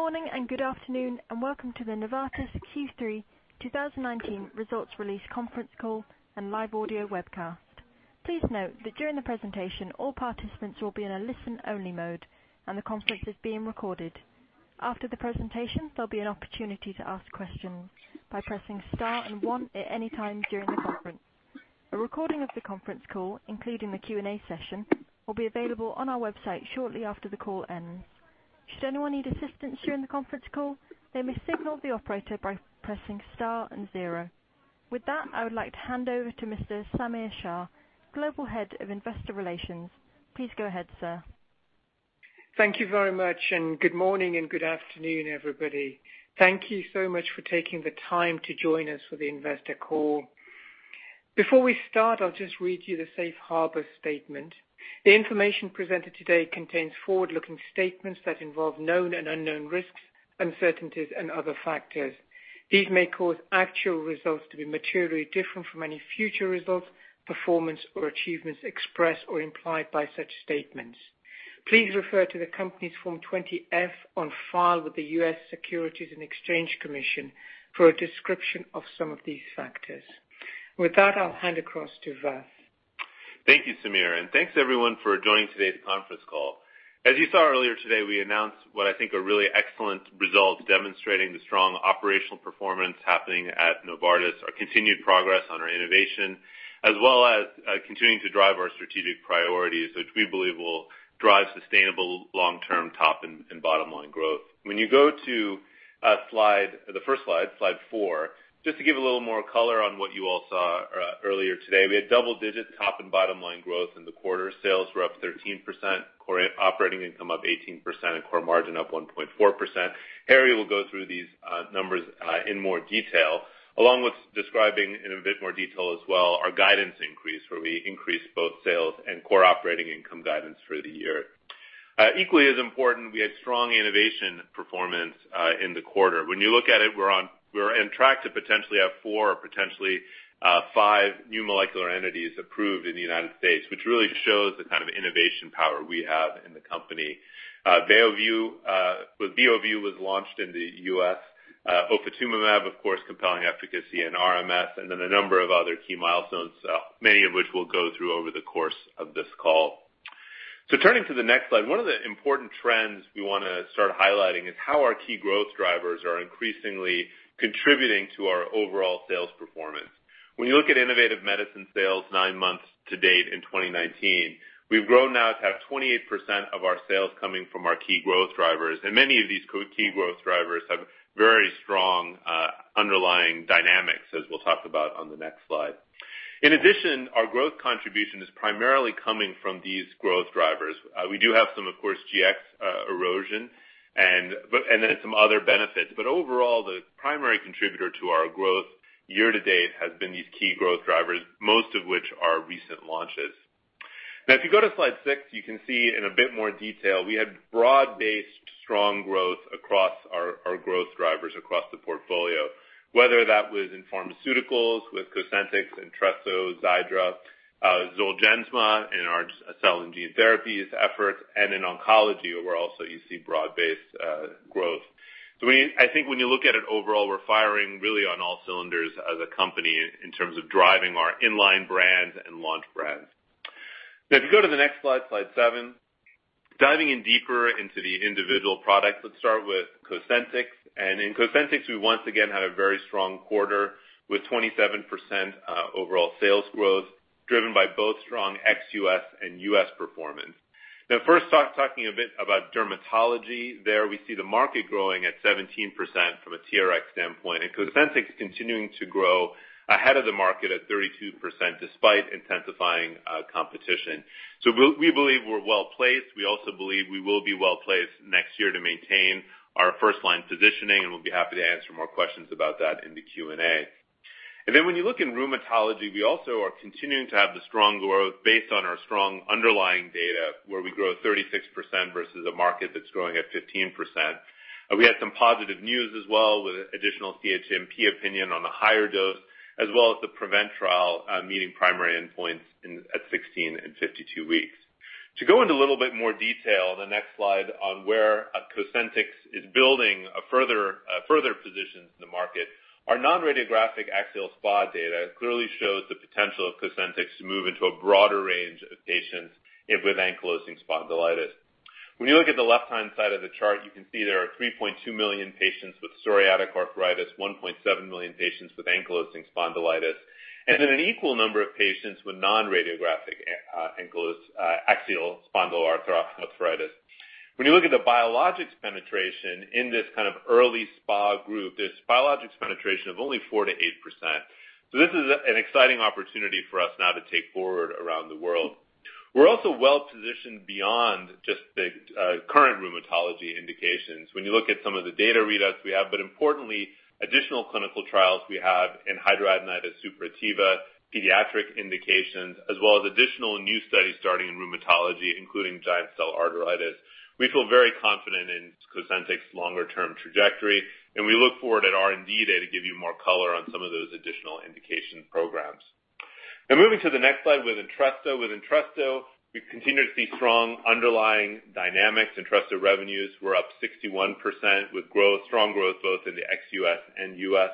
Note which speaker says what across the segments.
Speaker 1: Good morning and good afternoon, and welcome to the Novartis Q3 2019 results release conference call and live audio webcast. Please note that during the presentation, all participants will be in a listen-only mode, and the conference is being recorded. After the presentation, there'll be an opportunity to ask questions by pressing star and one at any time during the conference. A recording of the conference call, including the Q&A session, will be available on our website shortly after the call ends. Should anyone need assistance during the conference call, they may signal the operator by pressing star and zero. With that, I would like to hand over to Mr. Samir Shah, Global Head of Investor Relations. Please go ahead, sir.
Speaker 2: Thank you very much. Good morning and good afternoon, everybody. Thank you so much for taking the time to join us for the investor call. Before we start, I'll just read you the safe harbor statement. The information presented today contains forward-looking statements that involve known and unknown risks, uncertainties, and other factors. These may cause actual results to be materially different from any future results, performance, or achievements expressed or implied by such statements. Please refer to the company's Form 20-F on file with the U.S. Securities and Exchange Commission for a description of some of these factors. With that, I'll hand across to Vas.
Speaker 3: Thank you, Samir, and thanks, everyone, for joining today's conference call. As you saw earlier today, we announced what I think are really excellent results demonstrating the strong operational performance happening at Novartis, our continued progress on our innovation, as well as continuing to drive our strategic priorities, which we believe will drive sustainable long-term top and bottom-line growth. When you go to the first slide four, just to give a little more color on what you all saw earlier today. We had double-digit top and bottom-line growth in the quarter. Sales were up 13%, core operating income up 18%, and core margin up 1.4%. Harry will go through these numbers in more detail, along with describing in a bit more detail as well our guidance increase, where we increased both sales and core operating income guidance for the year. Equally as important, we had strong innovation performance in the quarter. When you look at it, we're on track to potentially have four or potentially five new molecular entities approved in the U.S., which really shows the kind of innovation power we have in the company. Beovu was launched in the U.S. Ofatumumab, of course, compelling efficacy in RMS, and then a number of other key milestones, many of which we'll go through over the course of this call. Turning to the next slide. One of the important trends we want to start highlighting is how our key growth drivers are increasingly contributing to our overall sales performance. When you look at Innovative Medicines sales nine months to date in 2019, we've grown now to have 28% of our sales coming from our key growth drivers, and many of these key growth drivers have very strong underlying dynamics, as we'll talk about on the next slide. In addition, our growth contribution is primarily coming from these growth drivers. We do have some, of course, GX erosion and then some other benefits. Overall, the primary contributor to our growth year-to-date has been these key growth drivers, most of which are recent launches. If you go to slide six, you can see in a bit more detail, we had broad-based strong growth across our growth drivers across the portfolio, whether that was in pharmaceuticals with Cosentyx, Entresto, Xiidra, Zolgensma, in our cell and gene therapies efforts, and in oncology, where also you see broad-based growth. I think when you look at it overall, we're firing really on all cylinders as a company in terms of driving our in-line brands and launch brands. If you go to the next slide seven. Diving in deeper into the individual products. Let's start with Cosentyx. In Cosentyx, we once again had a very strong quarter with 27% overall sales growth driven by both strong ex-U.S. and U.S. performance. First talking a bit about dermatology. There we see the market growing at 17% from a TRX standpoint, and Cosentyx continuing to grow ahead of the market at 32%, despite intensifying competition. We believe we're well-placed. We also believe we will be well-placed next year to maintain our first-line positioning, and we'll be happy to answer more questions about that in the Q&A. When you look in rheumatology, we also are continuing to have the strong growth based on our strong underlying data, where we grow 36% versus a market that's growing at 15%. We had some positive news as well with additional CHMP opinion on the higher dose, as well as the PREVENT trial meeting primary endpoints at 16 and 52 weeks. To go into a little bit more detail, the next slide on where Cosentyx is building a further position in the market. Our non-radiographic axial SpA data clearly shows the potential of Cosentyx to move into a broader range of patients with ankylosing spondylitis. When you look at the left-hand side of the chart, you can see there are 3.2 million patients with psoriatic arthritis, 1.7 million patients with ankylosing spondylitis, and then an equal number of patients with non-radiographic axial spondyloarthritis. When you look at the biologics penetration in this kind of early SpA group, there's biologics penetration of only 4%-8%. This is an exciting opportunity for us now to take forward around the world. We're also well-positioned beyond just the current rheumatology indications. When you look at some of the data readouts we have, but importantly, additional clinical trials we have in hidradenitis suppurativa pediatric indications, as well as additional new studies starting in rheumatology, including giant cell arteritis. We feel very confident in Cosentyx's longer-term trajectory, and we look forward at R&D Day to give you more color on some of those additional indication programs. Now moving to the next slide with Entresto. With Entresto, we continue to see strong underlying dynamics. Entresto revenues were up 61% with strong growth both in the ex-U.S. and U.S.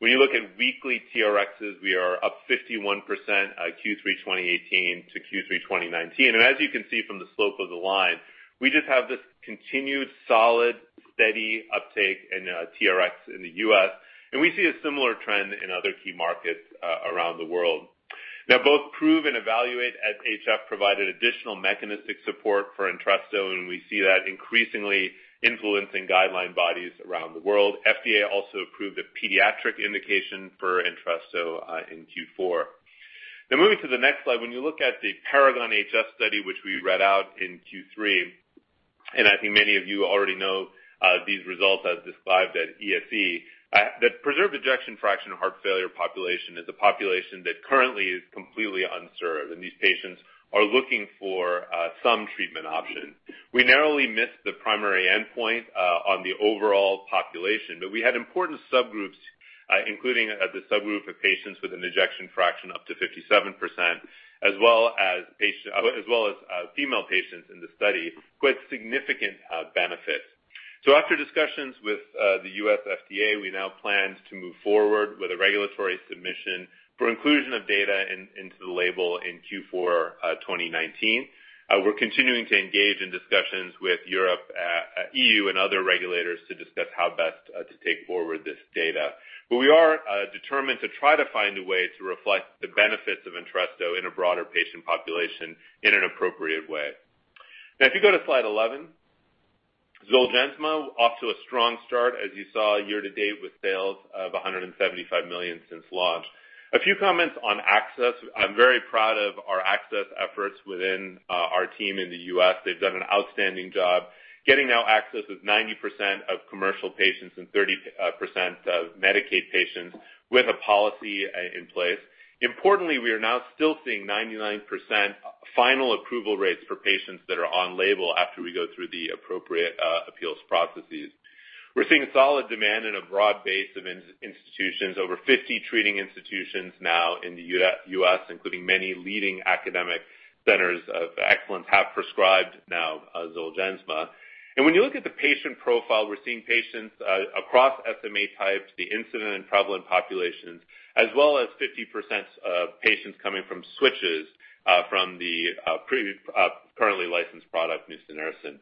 Speaker 3: When you look at weekly TRXs, we are up 51% at Q3 2018 to Q3 2019. As you can see from the slope of the line, we just have this continued solid, steady uptake in TRXs in the U.S., and we see a similar trend in other key markets around the world. Both PROVE and EVALUATE-HF provided additional mechanistic support for Entresto, and we see that increasingly influencing guideline bodies around the world. FDA also approved a pediatric indication for Entresto in Q4. Moving to the next slide. When you look at the PARAGON-HF study, which we read out in Q3, and I think many of you already know these results as described at ESC, that preserved ejection fraction in heart failure population is a population that currently is completely unserved, and these patients are looking for some treatment option. We narrowly missed the primary endpoint on the overall population, but we had important subgroups, including the subgroup of patients with an ejection fraction up to 57%, as well as female patients in the study, who had significant benefits. After discussions with the U.S. FDA, we now plan to move forward with a regulatory submission for inclusion of data into the label in Q4 2019. We're continuing to engage in discussions with Europe, E.U., and other regulators to discuss how best to take forward this data. We are determined to try to find a way to reflect the benefits of Entresto in a broader patient population in an appropriate way. If you go to slide 11. Zolgensma off to a strong start, as you saw year to date with sales of $175 million since launch. A few comments on access. I'm very proud of our access efforts within our team in the U.S. They've done an outstanding job. Getting now access is 90% of commercial patients and 30% of Medicaid patients with a policy in place. Importantly, we are now still seeing 99% final approval rates for patients that are on label after we go through the appropriate appeals processes. We're seeing solid demand in a broad base of institutions. Over 50 treating institutions now in the U.S., including many leading academic centers of excellence, have prescribed now Zolgensma. When you look at the patient profile, we're seeing patients across SMA types, the incident and prevalent populations, as well as 50% of patients coming from switches from the currently licensed product, nusinersen.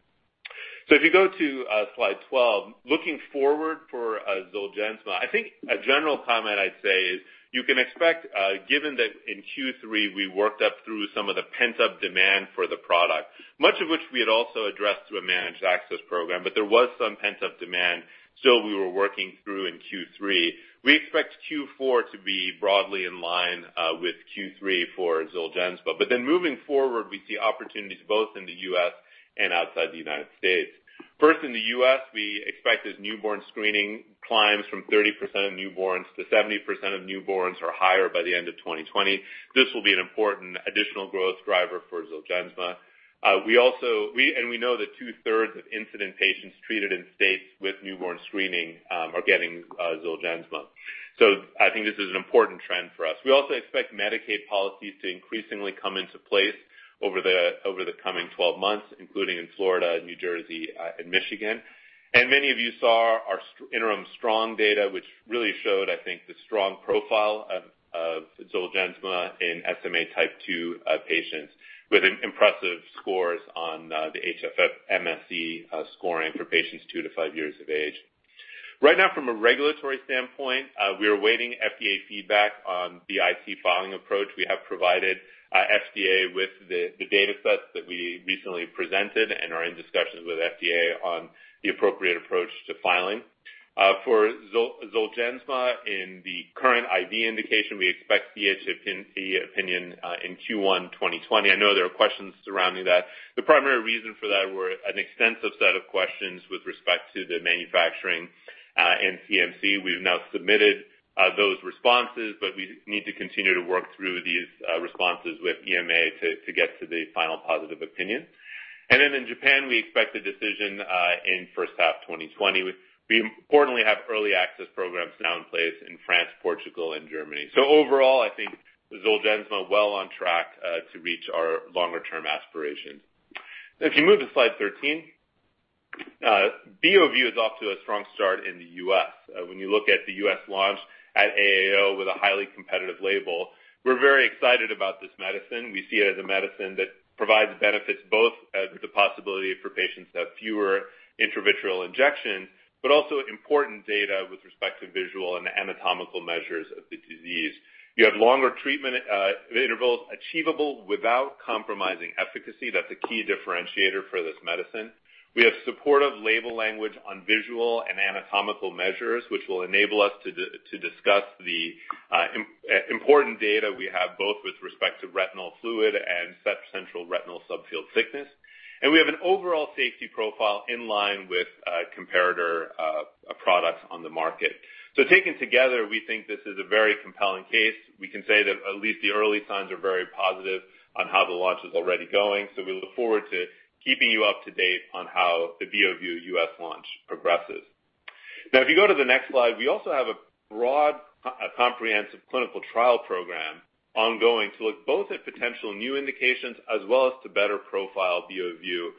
Speaker 3: If you go to slide 12, looking forward for Zolgensma, I think a general comment I'd say is, you can expect, given that in Q3, we worked up through some of the pent-up demand for the product, much of which we had also addressed through a managed access program, but there was some pent-up demand still we were working through in Q3. We expect Q4 to be broadly in line with Q3 for Zolgensma. Moving forward, we see opportunities both in the U.S. and outside the United States. First, in the U.S., we expect as newborn screening climbs from 30% of newborns to 70% of newborns or higher by the end of 2020. This will be an important additional growth driver for Zolgensma. We know that 2/3 of incident patients treated in states with newborn screening are getting Zolgensma. I think this is an important trend for us. We also expect Medicaid policies to increasingly come into place over the coming 12 months, including in Florida, New Jersey and Michigan. Many of you saw our interim STRONG data, which really showed, I think, the strong profile of Zolgensma in SMA type 2 patients with impressive scores on the HFMSE scoring for patients two to five years of age. Right now, from a regulatory standpoint, we are awaiting FDA feedback on the IND filing approach. We have provided FDA with the data sets that we recently presented and are in discussions with FDA on the appropriate approach to filing. For Zolgensma in the current IND indication, we expect the opinion in Q1 2020. I know there are questions surrounding that. The primary reason for that were an extensive set of questions with respect to the manufacturing and CMC. We have now submitted those responses. We need to continue to work through these responses with EMA to get to the final positive opinion. In Japan, we expect a decision in first half 2020. We importantly have early access programs now in place in France, Portugal and Germany. Overall, I think Zolgensma well on track to reach our longer-term aspirations. If you move to slide 13. Beovu is off to a strong start in the U.S. When you look at the U.S. launch at AAO with a highly competitive label, we're very excited about this medicine. We see it as a medicine that provides benefits both as the possibility for patients to have fewer intravitreal injections, but also important data with respect to visual and anatomical measures of the disease. You have longer treatment intervals achievable without compromising efficacy. That's a key differentiator for this medicine. We have supportive label language on visual and anatomical measures, which will enable us to discuss the important data we have both with respect to retinal fluid and central retinal subfield thickness. We have an overall safety profile in line with comparator products on the market. Taken together, we think this is a very compelling case. We can say that at least the early signs are very positive on how the launch is already going. We look forward to keeping you up to date on how the Beovu U.S. launch progresses. If you go to the next slide, we also have a broad, comprehensive clinical trial program ongoing to look both at potential new indications as well as to better profile Beovu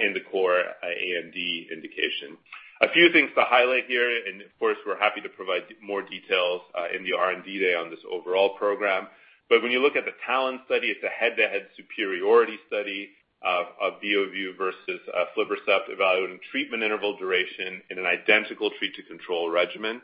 Speaker 3: in the core AMD indication. A few things to highlight here. Of course, we're happy to provide more details in the R&D Day on this overall program. When you look at the TALON study, it's a head-to-head superiority study of Beovu versus aflibercept evaluating treatment interval duration in an identical treat to control regimen.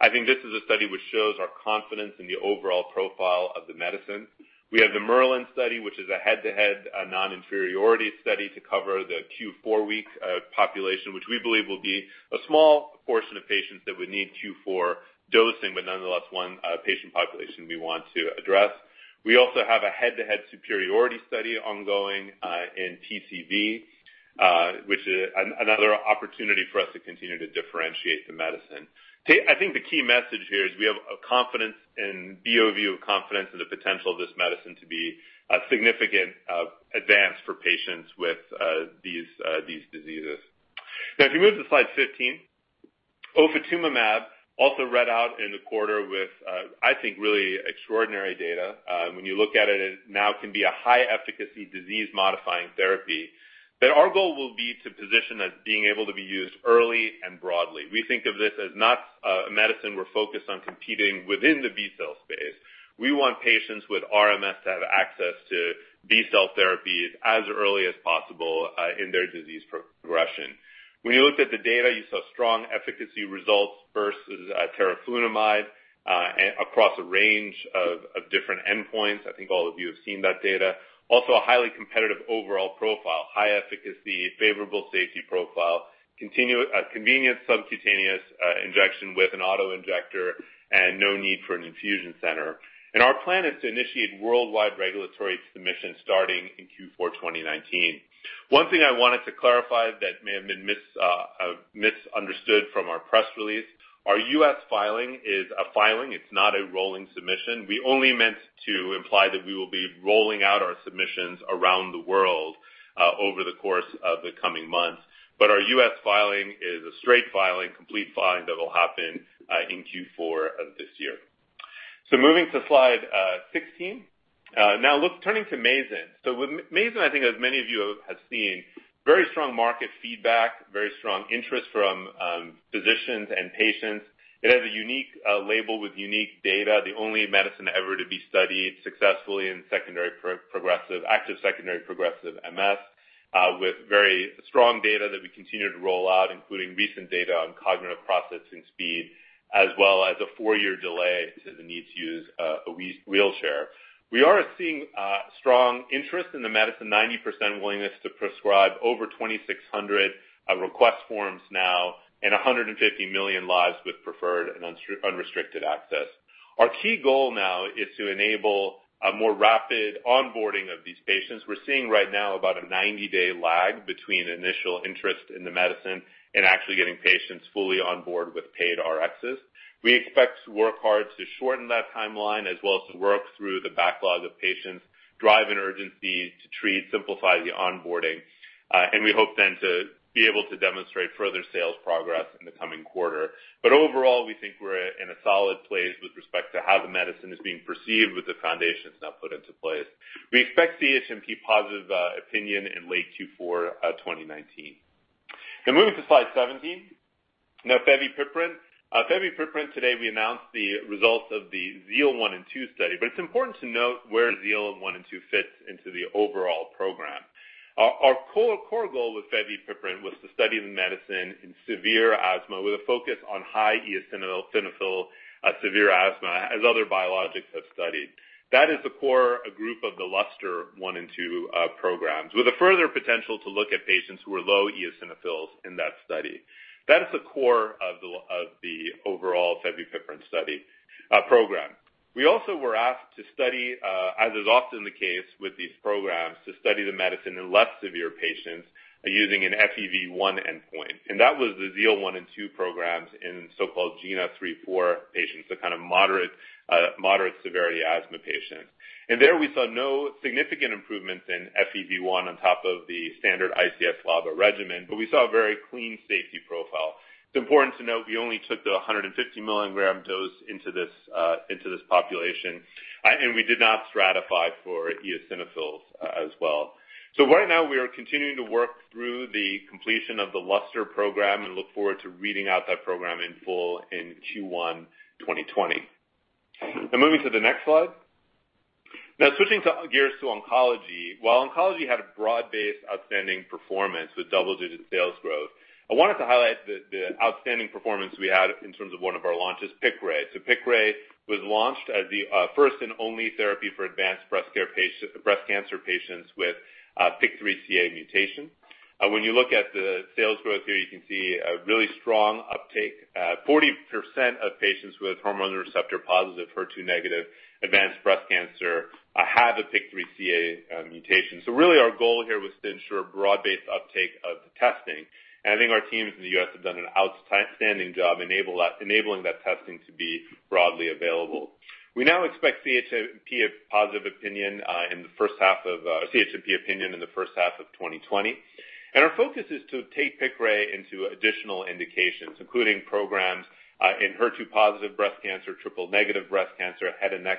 Speaker 3: I think this is a study which shows our confidence in the overall profile of the medicine. We have the MERLIN study, which is a head-to-head non-inferiority study to cover the Q4 week population, which we believe will be a small portion of patients that would need Q4 dosing, but nonetheless one patient population we want to address. We also have a head-to-head superiority study ongoing in TCV, which is another opportunity for us to continue to differentiate the medicine. I think the key message here is we have a confidence in VOV, confidence in the potential of this medicine to be a significant advance for patients with these diseases. If you move to slide 15, ofatumumab also read out in the quarter with, I think, really extraordinary data. When you look at it now can be a high-efficacy disease-modifying therapy. Our goal will be to position it as being able to be used early and broadly. We think of this as not a medicine we're focused on competing within the B-cell space. We want patients with RMS to have access to B-cell therapies as early as possible in their disease progression. When you looked at the data, you saw strong efficacy results versus teriflunomide across a range of different endpoints. I think all of you have seen that data. Also a highly competitive overall profile, high efficacy, favorable safety profile, a convenient subcutaneous injection with an auto-injector, and no need for an infusion center. Our plan is to initiate worldwide regulatory submissions starting in Q4 2019. One thing I wanted to clarify that may have been misunderstood from our press release, our U.S. filing is a filing. It's not a rolling submission. We only meant to imply that we will be rolling out our submissions around the world over the course of the coming months. Our U.S. filing is a straight filing, complete filing that will happen in Q4 of this year. Moving to slide 16. Now turning to Mayzent. With Mayzent, I think as many of you have seen, very strong market feedback, very strong interest from physicians and patients. It has a unique label with unique data. The only medicine ever to be studied successfully in active secondary progressive MS, with very strong data that we continue to roll out, including recent data on cognitive processing speed, as well as a four-year delay to the need to use a wheelchair. We are seeing strong interest in the medicine, 90% willingness to prescribe over 2,600 request forms now and 150 million lives with preferred and unrestricted access. Our key goal now is to enable a more rapid onboarding of these patients. We're seeing right now about a 90-day lag between initial interest in the medicine and actually getting patients fully on board with paid Rx's. We expect to work hard to shorten that timeline as well as to work through the backlog of patients, drive an urgency to treat, simplify the onboarding. We hope then to be able to demonstrate further sales progress in the coming quarter. Overall, we think we're in a solid place with respect to how the medicine is being perceived with the foundations now put into place. We expect the CHMP positive opinion in late Q4 of 2019. Moving to slide 17. Fevipiprant. Fevipiprant today we announced the results of the ZEAL 1 and ZEAL 2 study, but it's important to note where ZEAL 1 and ZEAL 2 fits into the overall program. Our core goal with fevipiprant was to study the medicine in severe asthma with a focus on high eosinophil severe asthma, as other biologics have studied. That is the core group of the LUSTER-1 and LUSTER-2 programs with a further potential to look at patients who are low eosinophils in that study. That is the core of the overall fevipiprant study program. We also were asked to study, as is often the case with these programs, to study the medicine in less severe patients using an FEV1 endpoint. That was the ZEAL 1 and ZEAL 2 programs in so-called GINA 3/4 patients, the kind of moderate severity asthma patients. There we saw no significant improvements in FEV1 on top of the standard ICS/LABA regimen, but we saw a very clean safety profile. It is important to note we only took the 150 mg dose into this population. We did not stratify for eosinophils as well. Right now we are continuing to work through the completion of the LUSTER program and look forward to reading out that program in full in Q1 2020. Moving to the next slide. Switching gears to oncology. While oncology had a broad-based outstanding performance with double-digit sales growth, I wanted to highlight the outstanding performance we had in terms of one of our launches, Piqray. Piqray was launched as the first and only therapy for advanced breast cancer patients with PIK3CA mutation. When you look at the sales growth here, you can see a really strong uptake. 40% of patients with hormone receptor-positive, HER2-negative advanced breast cancer have a PIK3CA mutation. Really our goal here was to ensure broad-based uptake of the testing. I think our teams in the U.S. have done an outstanding job enabling that testing to be broadly available. We now expect CHMP opinion in the first half of 2020. Our focus is to take Piqray into additional indications, including programs in HER2 positive breast cancer, triple-negative breast cancer, head and neck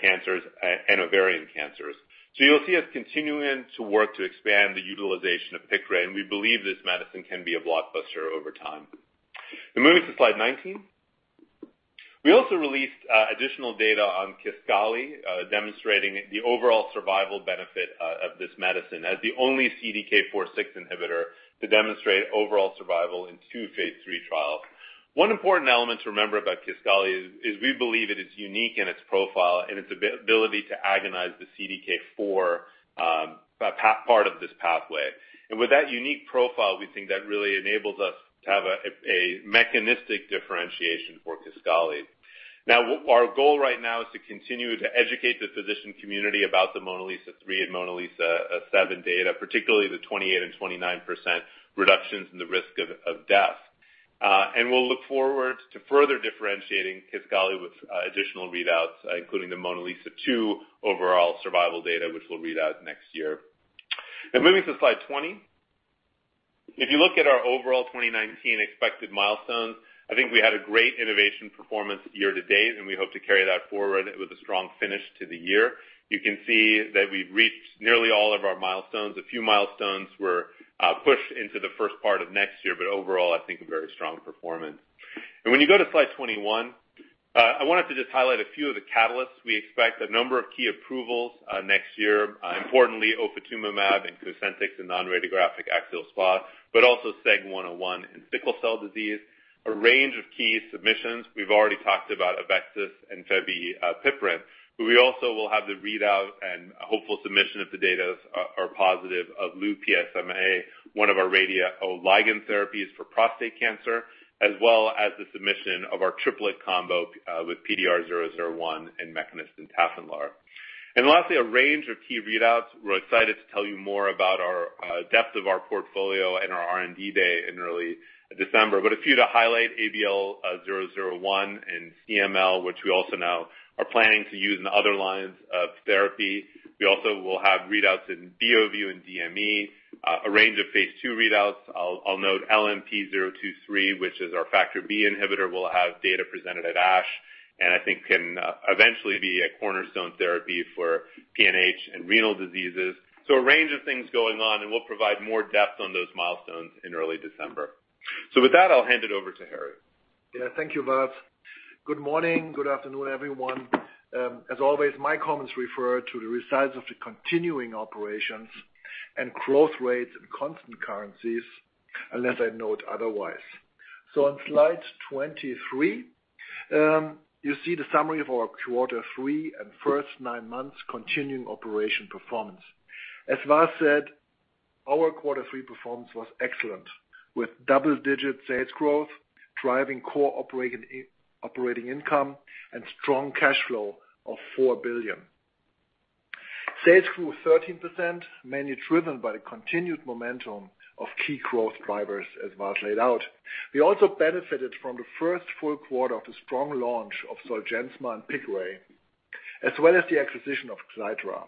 Speaker 3: cancers, and ovarian cancers. You'll see us continuing to work to expand the utilization of Piqray, and we believe this medicine can be a blockbuster over time. Moving to slide 19. We also released additional data on Kisqali, demonstrating the overall survival benefit of this medicine as the only CDK4/6 inhibitor to demonstrate overall survival in two phase III trials. One important element to remember about Kisqali is we believe it is unique in its profile and its ability to agonize the CDK4, part of this pathway. With that unique profile, we think that really enables us to have a mechanistic differentiation for Kisqali. Our goal right now is to continue to educate the physician community about the MONALEESA-3 and MONALEESA-7 data, particularly the 28% and 29% reductions in the risk of death. We'll look forward to further differentiating Kisqali with additional readouts, including the MONALEESA-2 overall survival data, which we'll read out next year. Moving to slide 20. If you look at our overall 2019 expected milestones, I think we had a great innovation performance year to date, and we hope to carry that forward with a strong finish to the year. You can see that we've reached nearly all of our milestones. A few milestones were pushed into the first part of next year, but overall, I think a very strong performance. When you go to slide 21, I wanted to just highlight a few of the catalysts. We expect a number of key approvals next year. Importantly, ofatumumab in Cosentyx and non-radiographic axial SpA, also SEG101 in sickle cell disease. A range of key submissions. We've already talked about AveXis and fevipiprant, we also will have the readout and hopeful submission if the data are positive of Lu-PSMA, one of our radioligand therapies for prostate cancer, as well as the submission of our triplet combo with PDR001 and Mekinist and Tafinlar. Lastly, a range of key readouts. We're excited to tell you more about our depth of our portfolio in our R&D day in early December. A few to highlight, ABL001 in CML, which we also now are planning to use in other lines of therapy. We also will have readouts in Beovu and DME, a range of phase II readouts. I'll note LNP023, which is our factor B inhibitor, will have data presented at ASH, and I think can eventually be a cornerstone therapy for PNH and renal diseases. A range of things going on, and we'll provide more depth on those milestones in early December. With that, I'll hand it over to Harry.
Speaker 4: Thank you, Vas. Good morning, good afternoon, everyone. As always, my comments refer to the results of the continuing operations and growth rates in constant currencies, unless I note otherwise. On slide 23, you see the summary of our quarter three and first nine months continuing operation performance. As Vas said, our quarter three performance was excellent, with double-digit sales growth, driving core operating income and strong cash flow of $4 billion. Sales grew 13%, mainly driven by the continued momentum of key growth drivers, as Vas laid out. We also benefited from the first full quarter of the strong launch of Zolgensma and Piqray, as well as the acquisition of Xiidra.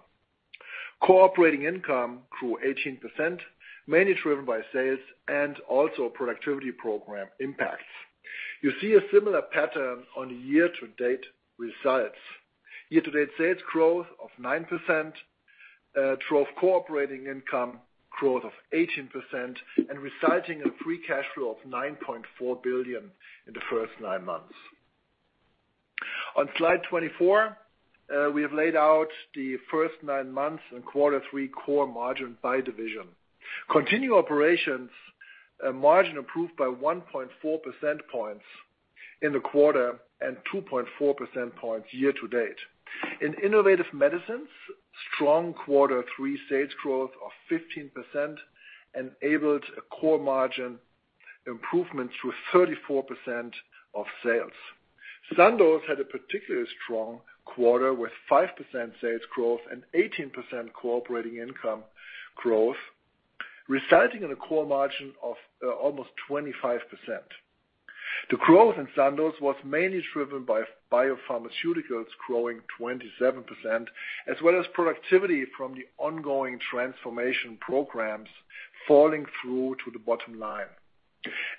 Speaker 4: Core operating income grew 18%, mainly driven by sales and also productivity program impacts. You see a similar pattern on year-to-date results. Year-to-date sales growth of 9% drove core operating income growth of 18%, resulting in a free cash flow of $9.4 billion in the first nine months. On slide 24, we have laid out the first nine months and quarter three core margin by division. Continuing operations margin improved by 1.4% points in the quarter and 2.4% points year-to-date. In Innovative Medicines, strong quarter three sales growth of 15% enabled a core margin improvement to 34% of sales. Sandoz had a particularly strong quarter, with 5% sales growth and 18% core operating income growth, resulting in a core margin of almost 25%. The growth in Sandoz was mainly driven by biopharmaceuticals growing 27%, as well as productivity from the ongoing transformation programs falling through to the bottom line.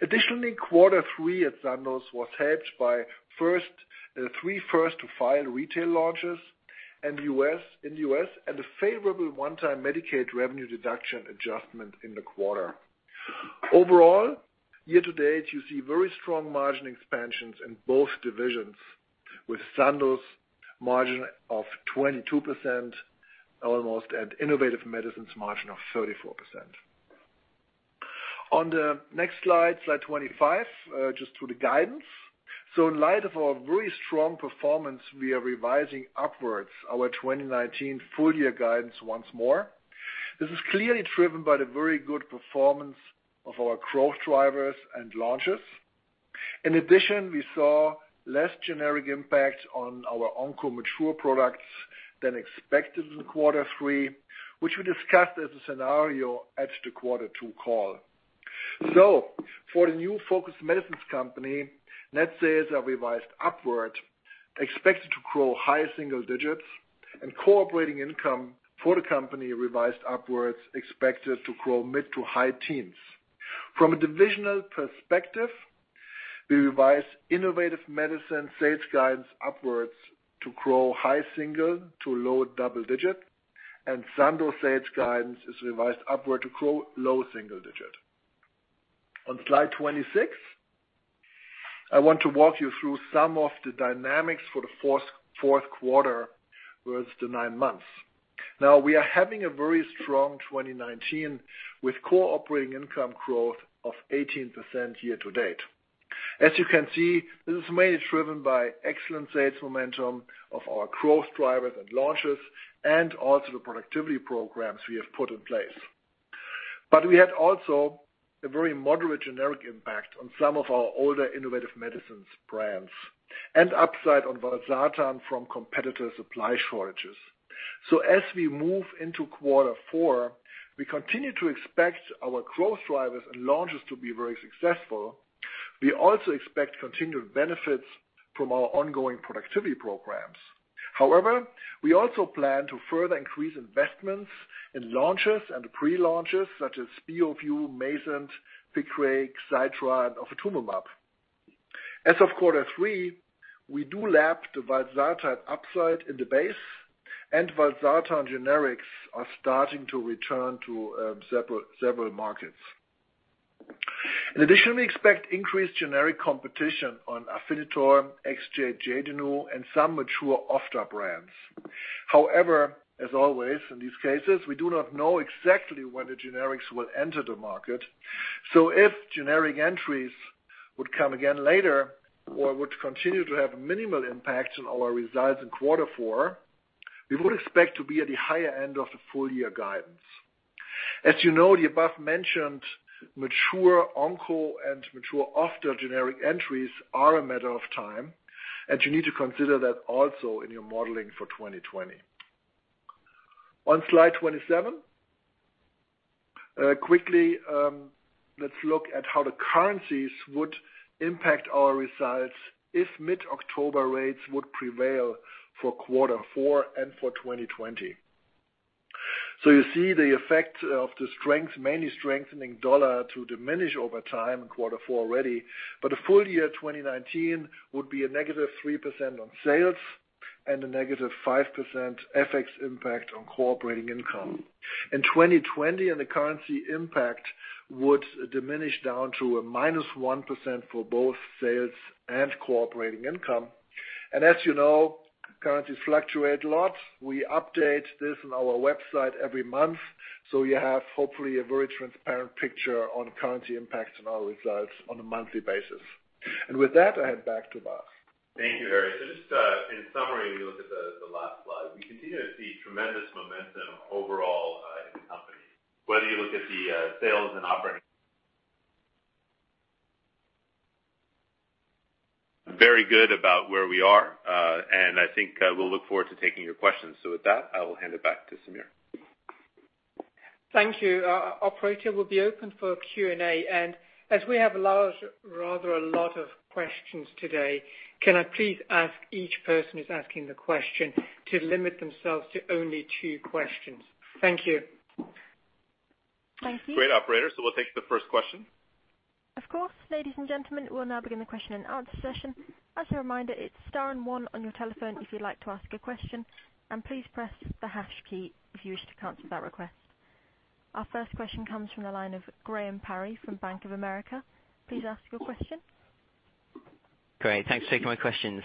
Speaker 4: Additionally, quarter three at Sandoz was helped by three first to file retail launches in the U.S., and a favorable one-time Medicaid revenue deduction adjustment in the quarter. Overall, year to date, you see very strong margin expansions in both divisions, with Sandoz margin of 22% almost, and Innovative Medicines margin of 34%. On the next slide 25, just to the guidance. In light of our very strong performance, we are revising upwards our 2019 full year guidance once more. This is clearly driven by the very good performance of our growth drivers and launches. For the new focused medicines company, net sales are revised upward, expected to grow high single-digits and core operating income for the company revised upwards, expected to grow mid-to-high teens. From a divisional perspective, we revised Innovative Medicines sales guidance upwards to grow high single- to low double-digit, and Sandoz sales guidance is revised upward to grow low single-digit. On slide 26, I want to walk you through some of the dynamics for the fourth quarter versus the nine months. We are having a very strong 2019 with core operating income growth of 18% year-to-date. This is mainly driven by excellent sales momentum of our growth drivers and launches and also the productivity programs we have put in place. We had also a very moderate generic impact on some of our older Innovative Medicines brands and upside on valsartan from competitor supply shortages. As we move into quarter four, we continue to expect our growth drivers and launches to be very successful. We also expect continued benefits from our ongoing productivity programs. However, we also plan to further increase investments in launches and pre-launches such as Beovu, Mayzent, Piqray, Xiidra, and ofatumumab. As of quarter three, we do lap the valsartan upside in the base and valsartan generics are starting to return to several markets. In addition, we expect increased generic competition on Afinitor, Xeljanz, and some mature offtake brands. As always, in these cases, we do not know exactly when the generics will enter the market. If generic entries would come again later or would continue to have minimal impact on our results in quarter four, we would expect to be at the higher end of the full year guidance. As you know, the above-mentioned mature onco and mature off the generic entries are a matter of time, and you need to consider that also in your modeling for 2020. On slide 27, quickly, let's look at how the currencies would impact our results if mid-October rates would prevail for quarter four and for 2020. You see the effect of the mainly strengthening dollar to diminish over time in quarter four already. The full year 2019 would be a -3% on sales and a -5% FX impact on operating income. In 2020, the currency impact would diminish down to a -1% for both sales and operating income. As you know, currencies fluctuate a lot. We update this on our website every month, so you have hopefully a very transparent picture on currency impacts and our results on a monthly basis. With that, I hand back to Vas.
Speaker 3: Thank you, Harry. Just in summary, when you look at the last slide, we continue to see tremendous momentum overall in the company. Whether you look at the sales and operating very good about where we are. I think we'll look forward to taking your questions. With that, I will hand it back to Samir.
Speaker 2: Thank you. Operator will be open for Q&A. As we have rather a lot of questions today, can I please ask each person who's asking the question to limit themselves to only two questions? Thank you.
Speaker 1: Thank you.
Speaker 3: Great, operator. We'll take the first question.
Speaker 1: Of course. Ladies and gentlemen, we'll now begin the question and answer session. As a reminder, it's star and one on your telephone if you'd like to ask a question. Please press the hash key if you wish to cancel that request. Our first question comes from the line of Graham Parry from Bank of America. Please ask your question.
Speaker 5: Great. Thanks for taking my questions.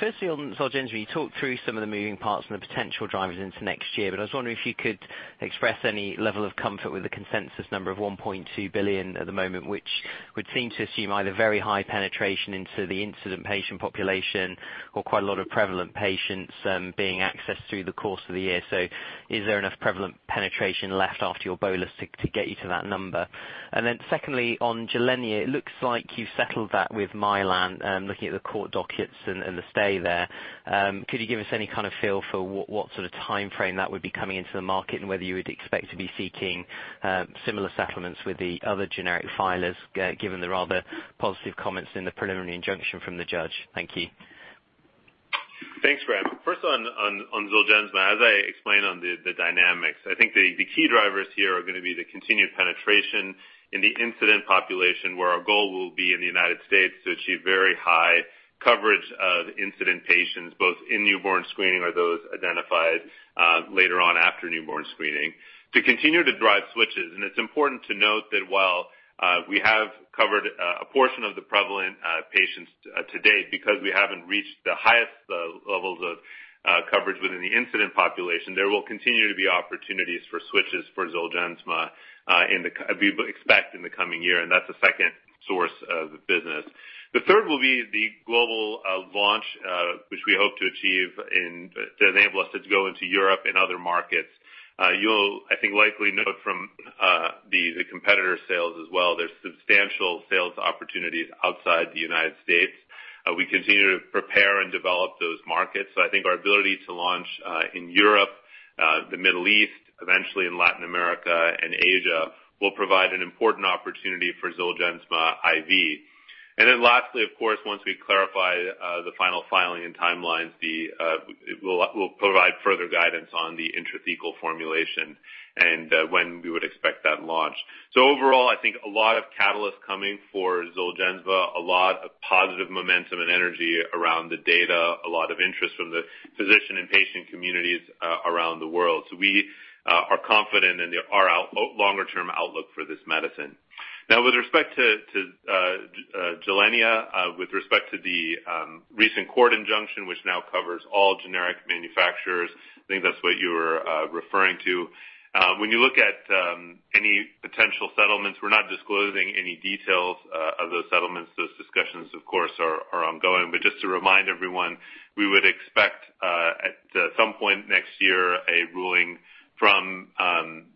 Speaker 5: Firstly, on Zolgensma, you talked through some of the moving parts and the potential drivers into next year, but I was wondering if you could express any level of comfort with the consensus number of $1.2 billion at the moment, which would seem to assume either very high penetration into the incident patient population or quite a lot of prevalent patients being accessed through the course of the year. Is there enough prevalent penetration left after your bolus to get you to that number? Secondly, on Gilenya, it looks like you settled that with Mylan, looking at the court dockets and the stay there. Could you give us any kind of feel for what sort of timeframe that would be coming into the market and whether you would expect to be seeking similar settlements with the other generic filers, given the rather positive comments in the preliminary injunction from the judge? Thank you.
Speaker 3: Thanks, Graham. First on Zolgensma, as I explained on the dynamics, I think the key drivers here are going to be the continued penetration in the incident population, where our goal will be in the U.S. to achieve very high coverage of incident patients, both in newborn screening or those identified later on after newborn screening to continue to drive switches. It's important to note that while we have covered a portion of the prevalent patients to date, because we haven't reached the highest levels of coverage within the incident population, there will continue to be opportunities for switches for Zolgensma we expect in the coming year, and that's the second source of the business. The third will be the global launch, which we hope to achieve to enable us to go into Europe and other markets. You'll, I think, likely know from the competitor sales as well, there's substantial sales opportunities outside the United States. We continue to prepare and develop those markets. I think our ability to launch in Europe, the Middle East, eventually in Latin America and Asia, will provide an important opportunity for Zolgensma IV. Lastly, of course, once we clarify the final filing and timelines, we'll provide further guidance on the intrathecal formulation and when we would expect that launch. Overall, I think a lot of catalysts coming for Zolgensma, a lot of positive momentum and energy around the data, a lot of interest from the physician and patient communities around the world. We are confident in our longer-term outlook for this medicine. With respect to Gilenya, with respect to the recent court injunction, which now covers all generic manufacturers, I think that's what you were referring to. When you look at any potential settlements, we're not disclosing any details of those settlements. Those discussions, of course, are ongoing. Just to remind everyone, we would expect, at some point next year, a ruling from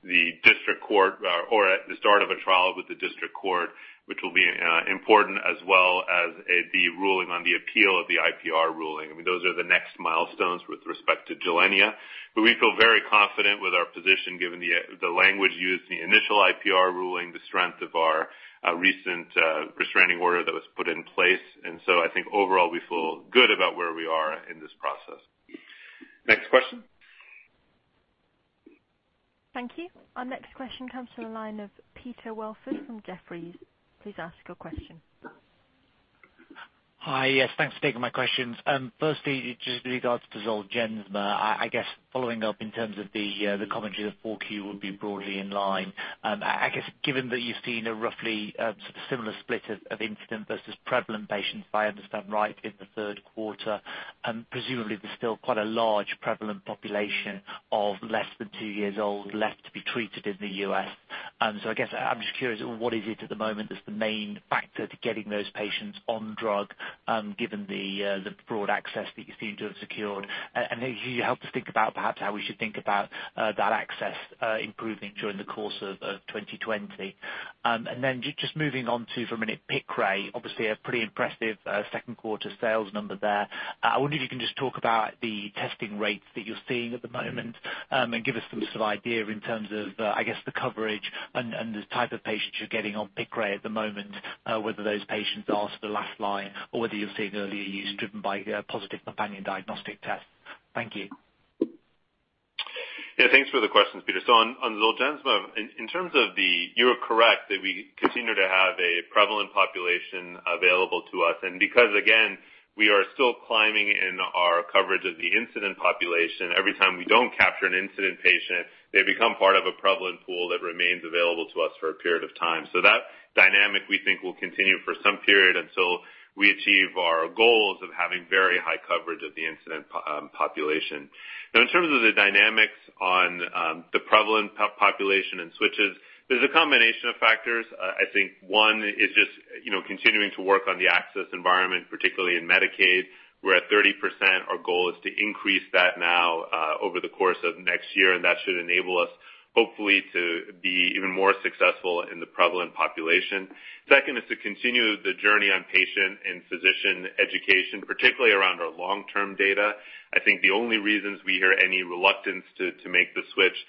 Speaker 3: the district court or at the start of a trial with the district court, which will be important as well as the ruling on the appeal of the IPR ruling. I mean, those are the next milestones with respect to Gilenya. We feel very confident with our position given the language used in the initial IPR ruling, the strength of our recent restraining order that was put in place. I think overall, we feel good about where we are in this process. Next question.
Speaker 1: Thank you. Our next question comes from the line of Peter Welford from Jefferies. Please ask your question.
Speaker 6: Hi. Thanks for taking my questions. Firstly, just regards to Zolgensma, I guess following up in terms of the commentary that 4Q will be broadly in line. I guess given that you've seen a roughly sort of similar split of incident versus prevalent patients, if I understand right, in the third quarter. Presumably there's still quite a large prevalent population of less than two years old left to be treated in the U.S. I guess I'm just curious, what is it at the moment that's the main factor to getting those patients on drug, given the broad access that you seem to have secured? If you could help to think about perhaps how we should think about that access improving during the course of 2020. Just moving on to for a minute, Piqray, obviously a pretty impressive second quarter sales number there. I wonder if you can just talk about the testing rates that you're seeing at the moment, and give us some sort of idea in terms of, I guess, the coverage and the type of patients you're getting on Piqray at the moment, whether those patients are for the last line or whether you're seeing early use driven by positive companion diagnostic tests. Thank you.
Speaker 3: Yeah, thanks for the questions, Peter. On Zolgensma, you're correct, that we continue to have a prevalent population available to us. Because, again, we are still climbing in our coverage of the incident population, every time we don't capture an incident patient, they become part of a prevalent pool that remains available to us for a period of time. That dynamic, we think, will continue for some period until we achieve our goals of having very high coverage of the incident population. Now, in terms of the dynamics on the prevalent population and switches, there's a combination of factors. I think one is just continuing to work on the access environment, particularly in Medicaid. We're at 30%. Our goal is to increase that now over the course of next year, that should enable us, hopefully, to be even more successful in the prevalent population. Second is to continue the journey on patient and physician education, particularly around our long-term data. I think the only reasons we hear any reluctance to make the switch is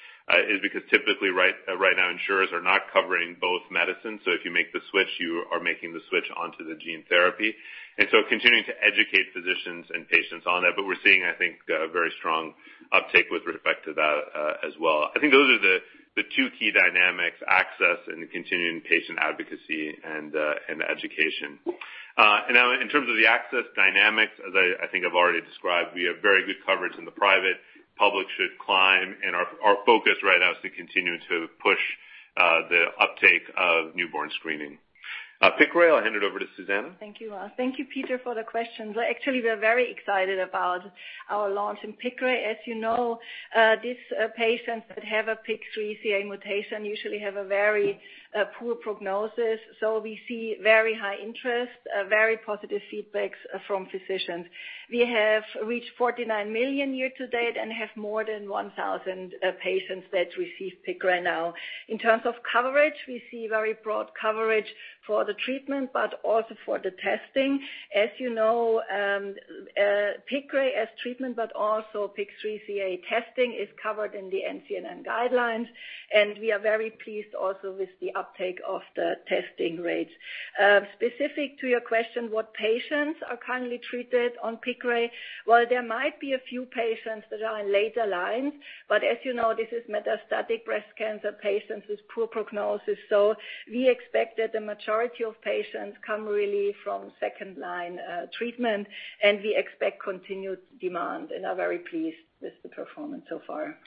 Speaker 3: because typically right now insurers are not covering both medicines. If you make the switch, you are making the switch onto the gene therapy. Continuing to educate physicians and patients on it. We're seeing, I think, a very strong uptake with respect to that as well. I think those are the two key dynamics, access and continuing patient advocacy and education. In terms of the access dynamics, as I think I've already described, we have very good coverage in the private. Public should climb, and our focus right now is to continue to push the uptake of newborn screening. Piqray, I'll hand it over to Susanne.
Speaker 7: Thank you. Thank you, Peter, for the questions. Actually, we are very excited about our launch in Piqray. As you know, these patients that have a PIK3CA mutation usually have a very poor prognosis. We see very high interest, very positive feedbacks from physicians. We have reached $49 million year to date and have more than 1,000 patients that receive Piqray now. In terms of coverage, we see very broad coverage for the treatment, but also for the testing. As you know, Piqray as treatment, but also PIK3CA testing is covered in the NCCN guidelines, and we are very pleased also with the uptake of the testing rates. Specific to your question, what patients are currently treated on Piqray, while there might be a few patients that are in later lines, but as you know, this is metastatic breast cancer patients with poor prognosis. We expect that the majority of patients come really from second-line treatment, and we expect continued demand and are very pleased with the performance so far.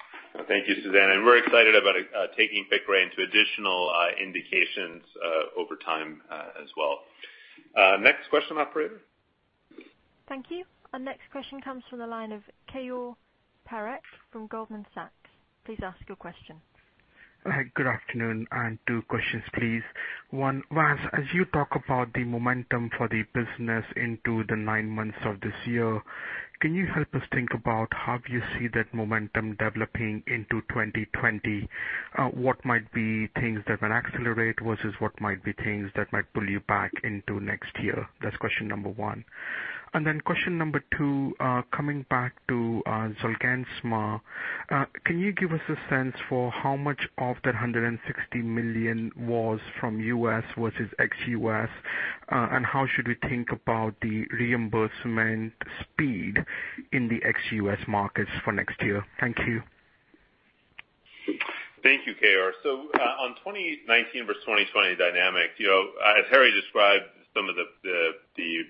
Speaker 3: Thank you, Susanne. We're excited about taking Piqray into additional indications over time as well. Next question operator.
Speaker 1: Thank you. Our next question comes from the line of Keyur Parekh from Goldman Sachs. Please ask your question.
Speaker 8: Good afternoon. Two questions, please. One, Vas, as you talk about the momentum for the business into the nine months of this year. Can you help us think about how you see that momentum developing into 2020? What might be things that might accelerate versus what might be things that might pull you back into next year? That's question number one. Question number two, coming back to Zolgensma. Can you give us a sense for how much of that $160 million was from U.S. versus ex-U.S.? How should we think about the reimbursement speed in the ex-U.S. markets for next year? Thank you.
Speaker 3: Thank you, Keyur. On 2019 versus 2020 dynamics, as Harry described some of the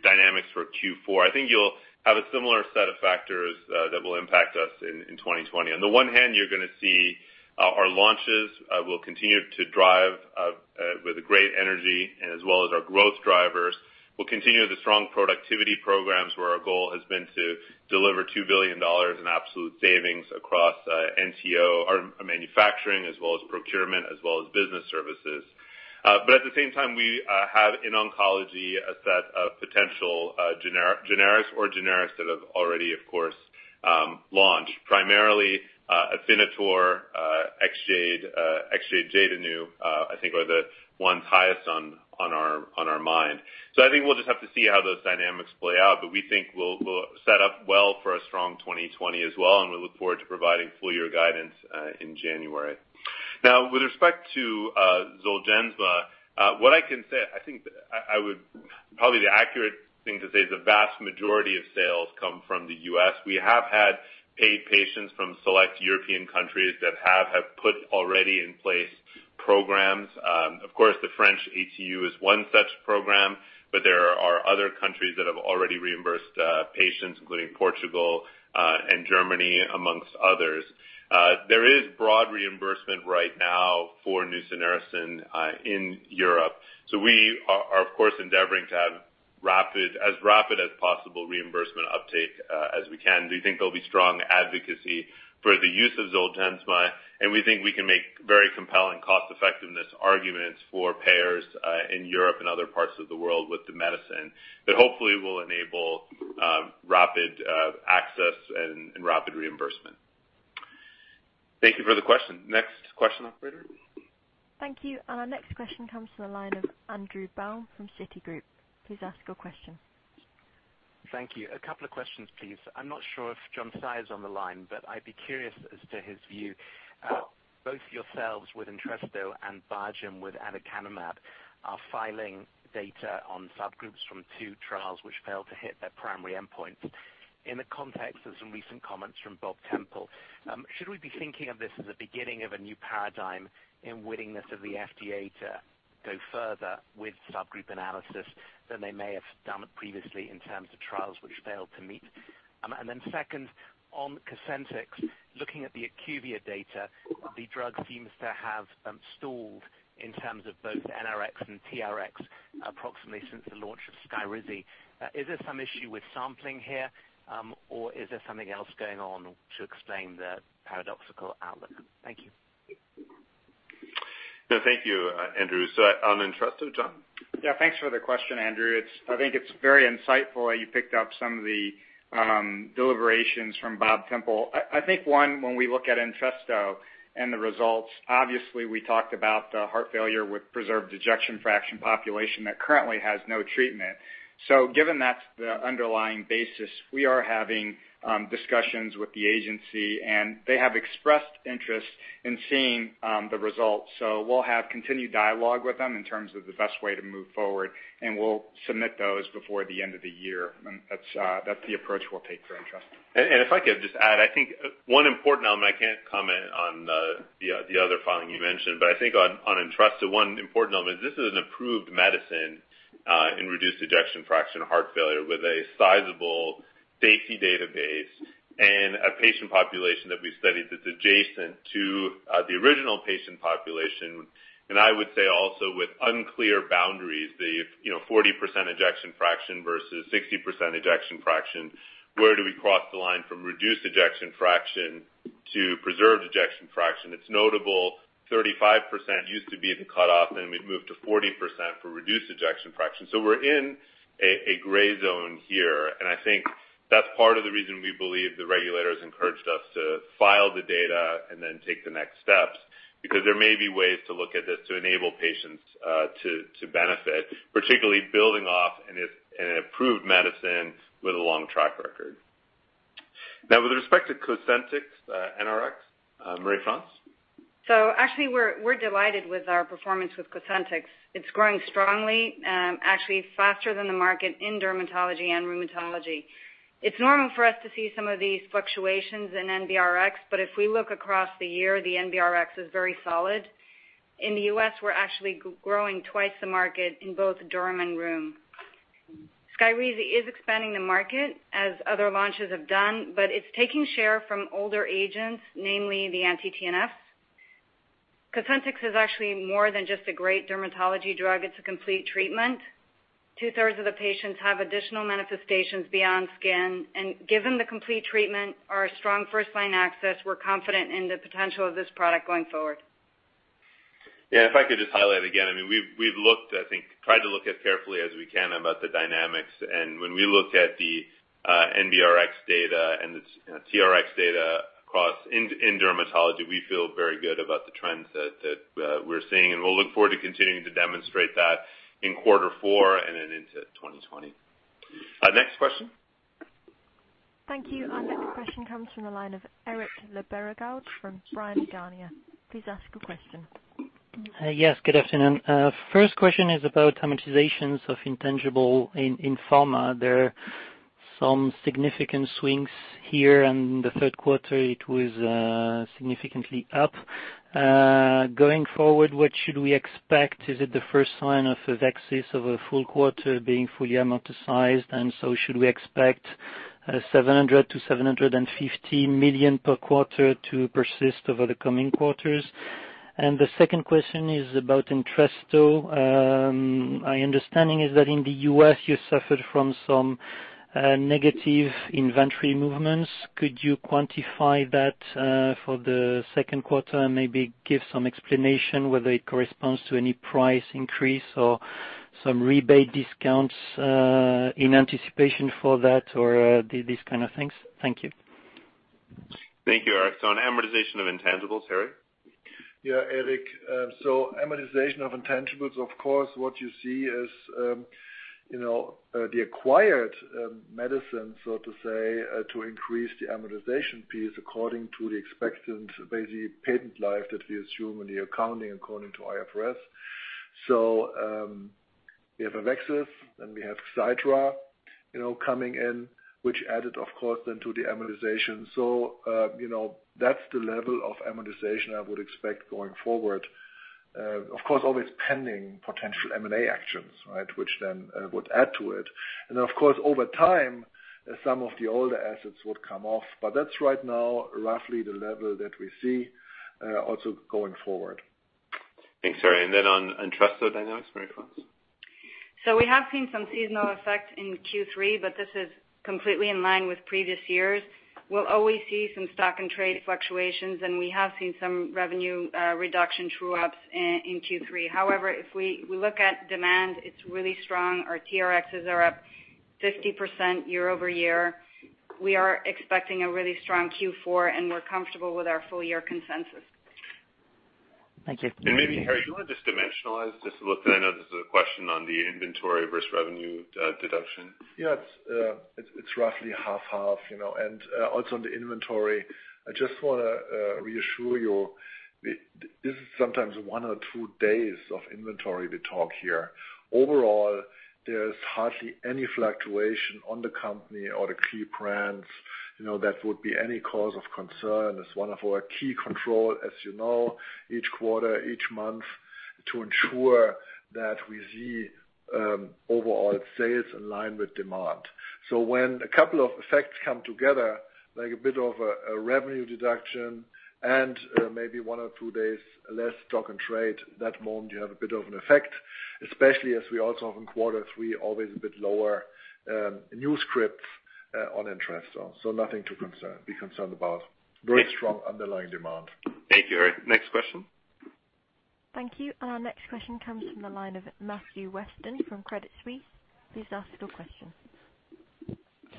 Speaker 3: dynamics for Q4, I think you'll have a similar set of factors that will impact us in 2020. You're going to see our launches will continue to drive with great energy as well as our growth drivers. We'll continue the strong productivity programs, where our goal has been to deliver $2 billion in absolute savings across NTO, our manufacturing, as well as procurement, as well as business services. At the same time, we have in oncology a set of potential generics or generics that have already, of course, launched. Primarily Afinitor, Exjade, I think, are the ones highest on our mind. I think we'll just have to see how those dynamics play out. We think we'll set up well for a strong 2020 as well, and we look forward to providing full year guidance in January. With respect to Zolgensma, what I can say, I think probably the accurate thing to say is the vast majority of sales come from the U.S. We have had paid patients from select European countries that have put already in place programs. Of course, the French ATU is one such program, but there are other countries that have already reimbursed patients, including Portugal and Germany, amongst others. There is broad reimbursement right now for nusinersen in Europe. We are, of course, endeavoring to have as rapid as possible reimbursement uptake as we can. We think there'll be strong advocacy for the use of Zolgensma. We think we can make very compelling cost effectiveness arguments for payers in Europe and other parts of the world with the medicine that hopefully will enable rapid access and rapid reimbursement. Thank you for the question. Next question, operator.
Speaker 1: Thank you. Our next question comes from the line of Andrew Baum from Citigroup. Please ask your question.
Speaker 9: Thank you. A couple of questions, please. I'm not sure if John Tsai is on the line, but I'd be curious as to his view. Both yourselves with Entresto and Biogen with aducanumab are filing data on subgroups from two trials which failed to hit their primary endpoints. In the context of some recent comments from Bob Temple, should we be thinking of this as a beginning of a new paradigm in willingness of the FDA to go further with subgroup analysis than they may have done previously in terms of trials which failed to meet? Second, on Cosentyx, looking at the IQVIA data, the drug seems to have stalled in terms of both NRX and TRX, approximately since the launch of Skyrizi. Is there some issue with sampling here? Is there something else going on to explain the paradoxical outlook? Thank you.
Speaker 3: No, thank you, Andrew. On Entresto, John?
Speaker 10: Yeah, thanks for the question, Andrew. I think it's very insightful that you picked up some of the deliberations from Robert Temple. I think one, when we look at Entresto and the results, obviously we talked about the heart failure with preserved ejection fraction population that currently has no treatment. Given that's the underlying basis, we are having discussions with the agency, and they have expressed interest in seeing the results. we'll have continued dialogue with them in terms of the best way to move forward, and we'll submit those before the end of the year. That's the approach we'll take for Entresto.
Speaker 3: If I could just add, I think one important element, I can't comment on the other filing you mentioned, but I think on Entresto, one important element is this is an approved medicine in reduced ejection fraction heart failure with a sizable safety database and a patient population that we studied that's adjacent to the original patient population. I would say also with unclear boundaries, the 40% ejection fraction versus 60% ejection fraction, where do we cross the line from reduced ejection fraction to preserved ejection fraction? It's notable 35% used to be the cutoff, and we've moved to 40% for reduced ejection fraction. We're in a gray zone here, and I think that's part of the reason we believe the regulators encouraged us to file the data and then take the next steps. There may be ways to look at this to enable patients to benefit, particularly building off an approved medicine with a long track record. With respect to Cosentyx NRX, Marie-France?
Speaker 11: Actually we're delighted with our performance with Cosentyx. It's growing strongly, actually faster than the market in dermatology and rheumatology. It's normal for us to see some of these fluctuations in NBRX, but if we look across the year, the NBRX is very solid. In the U.S., we're actually growing twice the market in both derm and rheum. Skyrizi is expanding the market as other launches have done, but it's taking share from older agents, namely the anti-TNFs. Cosentyx is actually more than just a great dermatology drug. It's a complete treatment. Two-thirds of the patients have additional manifestations beyond skin, and given the complete treatment, our strong first line access, we're confident in the potential of this product going forward.
Speaker 3: Yeah, if I could just highlight again, we've tried to look as carefully as we can about the dynamics. When we look at the NBRX data and the TRX data across in dermatology, we feel very good about the trends that we're seeing, and we'll look forward to continuing to demonstrate that in quarter four and then into 2020. Next question.
Speaker 1: Thank you. Our next question comes from the line of Eric Le Berrigaud from Bryan Garnier. Please ask your question.
Speaker 12: Yes, good afternoon. First question is about amortizations of intangible in pharma. There are some significant swings here in the third quarter. It was significantly up. Going forward, what should we expect? Is it the first sign of AveXis of a full quarter being fully amortized? Should we expect $700 million-$750 million per quarter to persist over the coming quarters? The second question is about Entresto. My understanding is that in the U.S. you suffered from some negative inventory movements. Could you quantify that for the second quarter and maybe give some explanation whether it corresponds to any price increase or some rebate discounts in anticipation for that or these kind of things? Thank you.
Speaker 3: Thank you, Eric. On amortization of intangibles, Harry?
Speaker 4: Yeah, Eric. Amortization of intangibles, of course, what you see is the acquired medicine, so to say, to increase the amortization piece according to the expected basic patent life that we assume in the accounting according to IFRS. We have AveXis and we have Xiidra coming in, which added, of course, then to the amortization. That's the level of amortization I would expect going forward. Of course, always pending potential M&A actions, which then would add to it. Of course, over time, some of the older assets would come off. That's right now roughly the level that we see also going forward.
Speaker 3: Thanks, Harry. On Entresto dynamics, Marie-France?
Speaker 11: We have seen some seasonal effects in Q3, but this is completely in line with previous years. We'll always see some stock and trade fluctuations, and we have seen some revenue reduction true-ups in Q3. If we look at demand, it's really strong. Our TRXs are up 50% year-over-year. We are expecting a really strong Q4, and we're comfortable with our full year consensus.
Speaker 12: Thank you.
Speaker 3: Maybe Harry, do you want to just dimensionalize this a little? I know this is a question on the inventory versus revenue deduction.
Speaker 4: Yeah. It's roughly half-half. Also on the inventory, I just want to reassure you, this is sometimes one or two days of inventory we talk here. Overall, there's hardly any fluctuation on the company or the key brands that would be any cause of concern. It's one of our key control, as you know, each quarter, each month to ensure that we see overall sales in line with demand. When a couple of effects come together, like a bit of a revenue deduction and maybe one or two days less stock and trade, that moment you have a bit of an effect, especially as we also have in quarter three, always a bit lower new scripts on Entresto. Nothing to be concerned about. Very strong underlying demand.
Speaker 3: Thank you, Harry. Next question.
Speaker 1: Thank you. Our next question comes from the line of Matthew Weston from Credit Suisse. Please ask your question.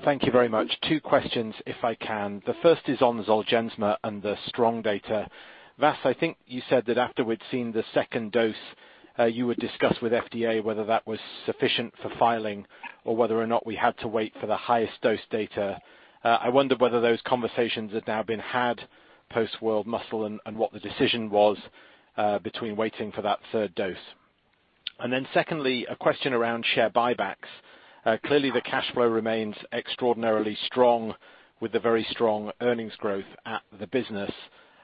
Speaker 13: Thank you very much. Two questions if I can. The first is on Zolgensma and the strong data. Vas, I think you said that after we'd seen the second dose, you would discuss with FDA whether that was sufficient for filing or whether or not we had to wait for the highest dose data. I wonder whether those conversations have now been had post World Muscle and what the decision was between waiting for that third dose. Secondly, a question around share buybacks. Clearly the cash flow remains extraordinarily strong with the very strong earnings growth at the business.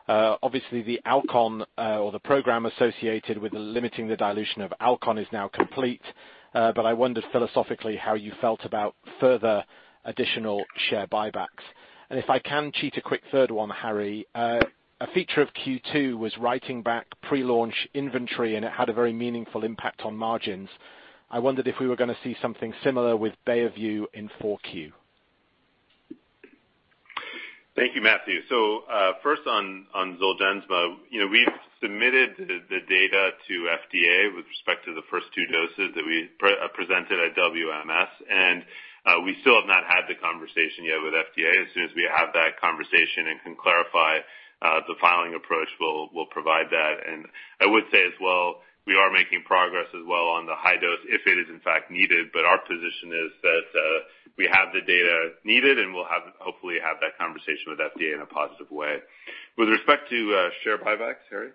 Speaker 13: Obviously, the Alcon or the program associated with limiting the dilution of Alcon is now complete. I wondered philosophically how you felt about further additional share buybacks. If I can cheat a quick third one, Harry. A feature of Q2 was writing back pre-launch inventory, and it had a very meaningful impact on margins. I wondered if we were going to see something similar with Beovu in 4Q.
Speaker 3: Thank you, Matthew. First on Zolgensma. We've submitted the data to FDA with respect to the first two doses that we presented at WMS. We still have not had the conversation yet with FDA. As soon as we have that conversation and can clarify the filing approach, we'll provide that. I would say as well, we are making progress as well on the high dose if it is in fact needed. Our position is that we have the data needed and we'll hopefully have that conversation with FDA in a positive way. With respect to share buybacks, Harry?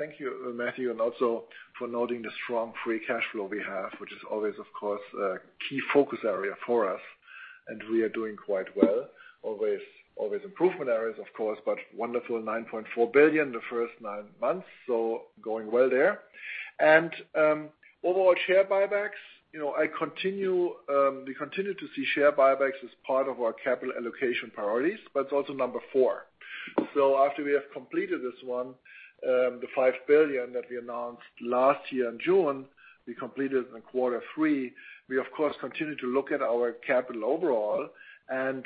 Speaker 4: Thank you Matthew, also for noting the strong free cash flow we have, which is always, of course, a key focus area for us, and we are doing quite well. Always improvement areas, of course, wonderful $9.4 billion the first nine months. Going well there. Overall share buybacks, we continue to see share buybacks as part of our capital allocation priorities. It's also number four. After we have completed this one, the $5 billion that we announced last year in June, we completed in quarter three. We, of course, continue to look at our capital overall and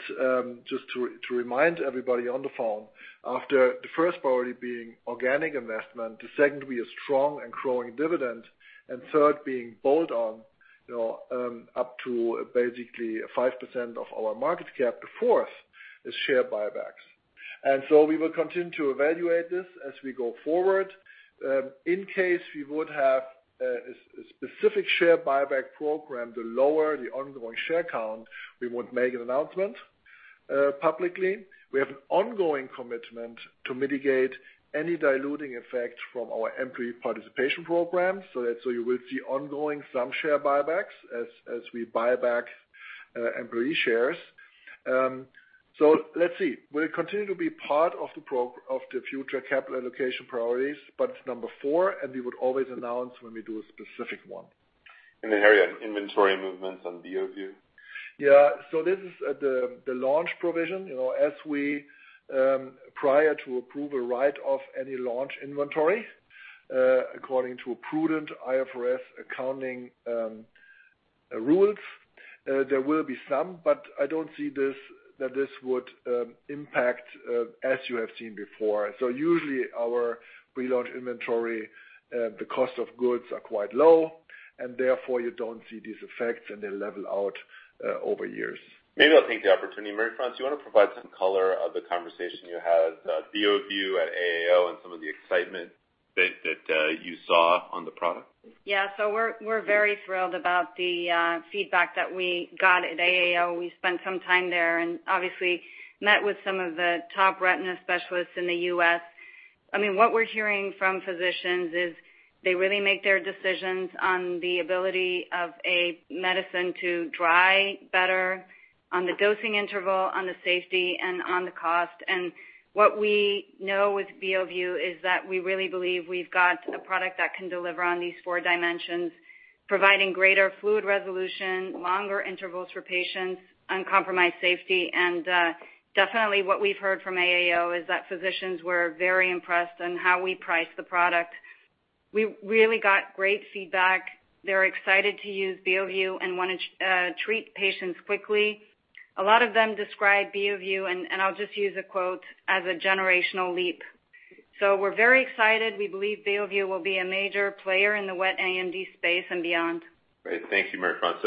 Speaker 4: just to remind everybody on the phone, after the first priority being organic investment, the second will be a strong and growing dividend, and third being bolt-on up to basically 5% of our market cap. The fourth is share buybacks. We will continue to evaluate this as we go forward. In case we would have a specific share buyback program to lower the ongoing share count, we would make an announcement publicly. We have an ongoing commitment to mitigate any diluting effect from our employee participation program, so you will see ongoing some share buybacks as we buy back employee shares. Let's see. Will it continue to be part of the future capital allocation priorities? Number four, we would always announce when we do a specific one.
Speaker 3: Harry, on inventory movements on Beovu?
Speaker 4: This is the launch provision. As we prior to approve a write-off any launch inventory, according to a prudent IFRS accounting rules, there will be some. I don't see that this would impact, as you have seen before. Usually our pre-launch inventory, the cost of goods are quite low, and therefore you don't see these effects and they level out over years.
Speaker 3: Maybe I'll take the opportunity. Marie-France, do you want to provide some color of the conversation you had, Beovu at AAO and some of the excitement that you saw on the product?
Speaker 11: We're very thrilled about the feedback that we got at AAO. We spent some time there and obviously met with some of the top retina specialists in the U.S. What we're hearing from physicians is they really make their decisions on the ability of a medicine to dry better, on the dosing interval, on the safety, and on the cost. What we know with Beovu is that we really believe we've got a product that can deliver on these four dimensions, providing greater fluid resolution, longer intervals for patients, uncompromised safety. Definitely what we've heard from AAO is that physicians were very impressed on how we price the product. We really got great feedback. They're excited to use Beovu and want to treat patients quickly. A lot of them describe Beovu, and I'll just use a quote, as a generational leap. We're very excited. We believe Beovu will be a major player in the wet AMD space and beyond.
Speaker 3: Great. Thank you, Marie-France.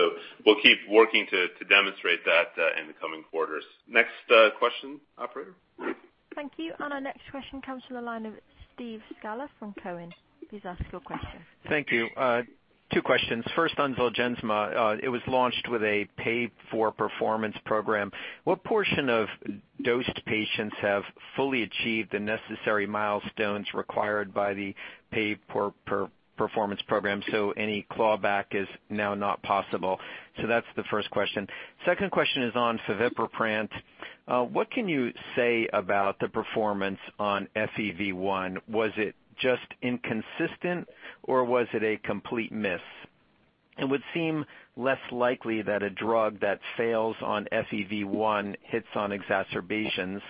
Speaker 3: We'll keep working to demonstrate that in the coming quarters. Next question, operator.
Speaker 1: Thank you. Our next question comes from the line of Steve Scala from Cowen. Please ask your question.
Speaker 14: Thank you. Two questions. First on Zolgensma. It was launched with a pay-for-performance program. What portion of dosed patients have fully achieved the necessary milestones required by the pay-for-performance program, so any clawback is now not possible? That's the first question. Second question is on fevipiprant. What can you say about the performance on FEV1? Was it just inconsistent or was it a complete miss? It would seem less likely that a drug that fails on FEV1 hits on exacerbations.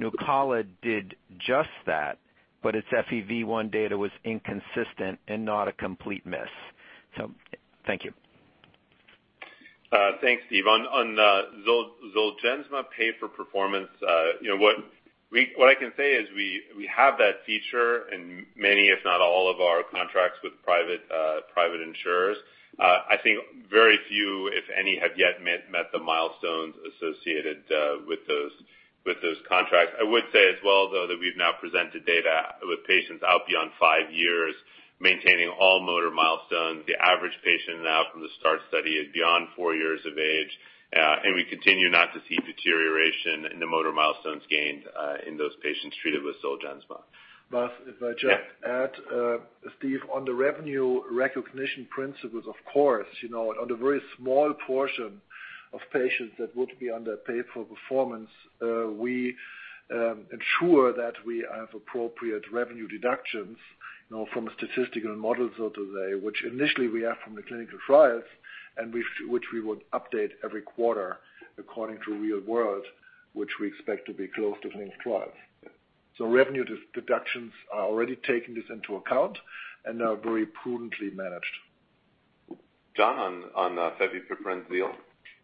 Speaker 14: Nucala did just that, its FEV1 data was inconsistent and not a complete miss. Thank you.
Speaker 3: Thanks, Steve. On Zolgensma pay-for-performance, what I can say is we have that feature in many, if not all of our contracts with private insurers. I think very few, if any, have yet met the milestones associated with those contracts. I would say as well, though, that we've now presented data with patients out beyond five years maintaining all motor milestones. The average patient now from the START study is beyond four years of age, and we continue not to see deterioration in the motor milestones gained in those patients treated with Zolgensma.
Speaker 4: Vas, if I just add, Steve, on the revenue recognition principles, of course, on the very small portion of patients that would be under pay-for-performance, we ensure that we have appropriate revenue deductions from a statistical model, so to say, which initially we have from the clinical trials, and which we would update every quarter according to real world, which we expect to be close to clinical trials. Revenue deductions are already taking this into account and are very prudently managed.
Speaker 3: John, on fevipiprant, ZEAL?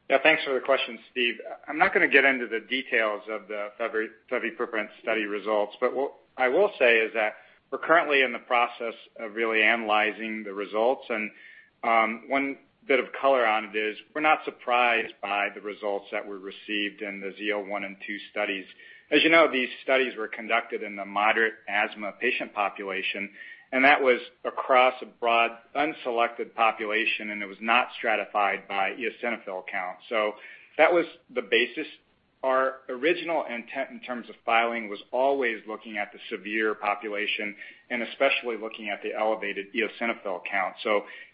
Speaker 10: Yeah, thanks for the question, Steve. I'm not going to get into the details of the fevipiprant study results, but what I will say is that we're currently in the process of really analyzing the results. One bit of color on it is we're not surprised by the results that were received in the ZEAL 1 and ZEAL 2 studies. As you know, these studies were conducted in the moderate asthma patient population, and that was across a broad unselected population, and it was not stratified by eosinophil count. That was the basis. Our original intent in terms of filing was always looking at the severe population and especially looking at the elevated eosinophil count.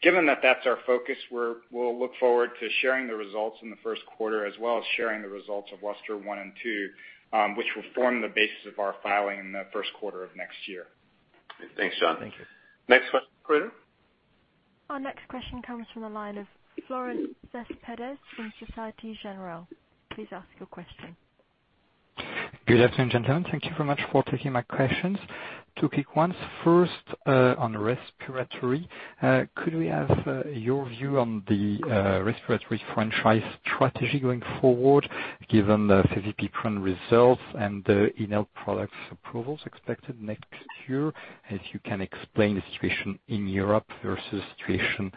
Speaker 10: Given that that's our focus, we'll look forward to sharing the results in the first quarter as well as sharing the results of LUSTER-1 and LUSTER-2, which will form the basis of our filing in the first quarter of next year.
Speaker 3: Thanks, John.
Speaker 14: Thank you.
Speaker 3: Next question, operator.
Speaker 1: Our next question comes from the line of Florent Cespedes from Société Générale. Please ask your question.
Speaker 15: Good afternoon, gentlemen. Thank you very much for taking my questions. Two quick ones. First, on respiratory, could we have your view on the respiratory franchise strategy going forward, given the fevipiprant results and the inhale products approvals expected next year? If you can explain the situation in Europe versus situation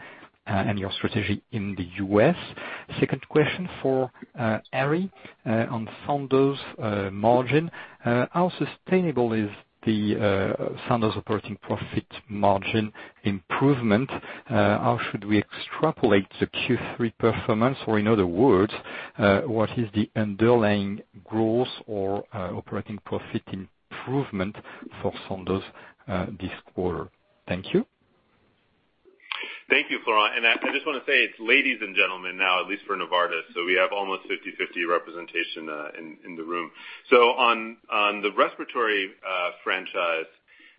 Speaker 15: and your strategy in the U.S. Second question for Harry on Sandoz margin. How sustainable is the Sandoz operating profit margin improvement? How should we extrapolate the Q3 performance? In other words, what is the underlying growth or operating profit improvement for Sandoz this quarter? Thank you.
Speaker 3: Thank you, Florent. I just want to say it's ladies and gentlemen now, at least for Novartis. We have almost 50/50 representation in the room. On the respiratory franchise,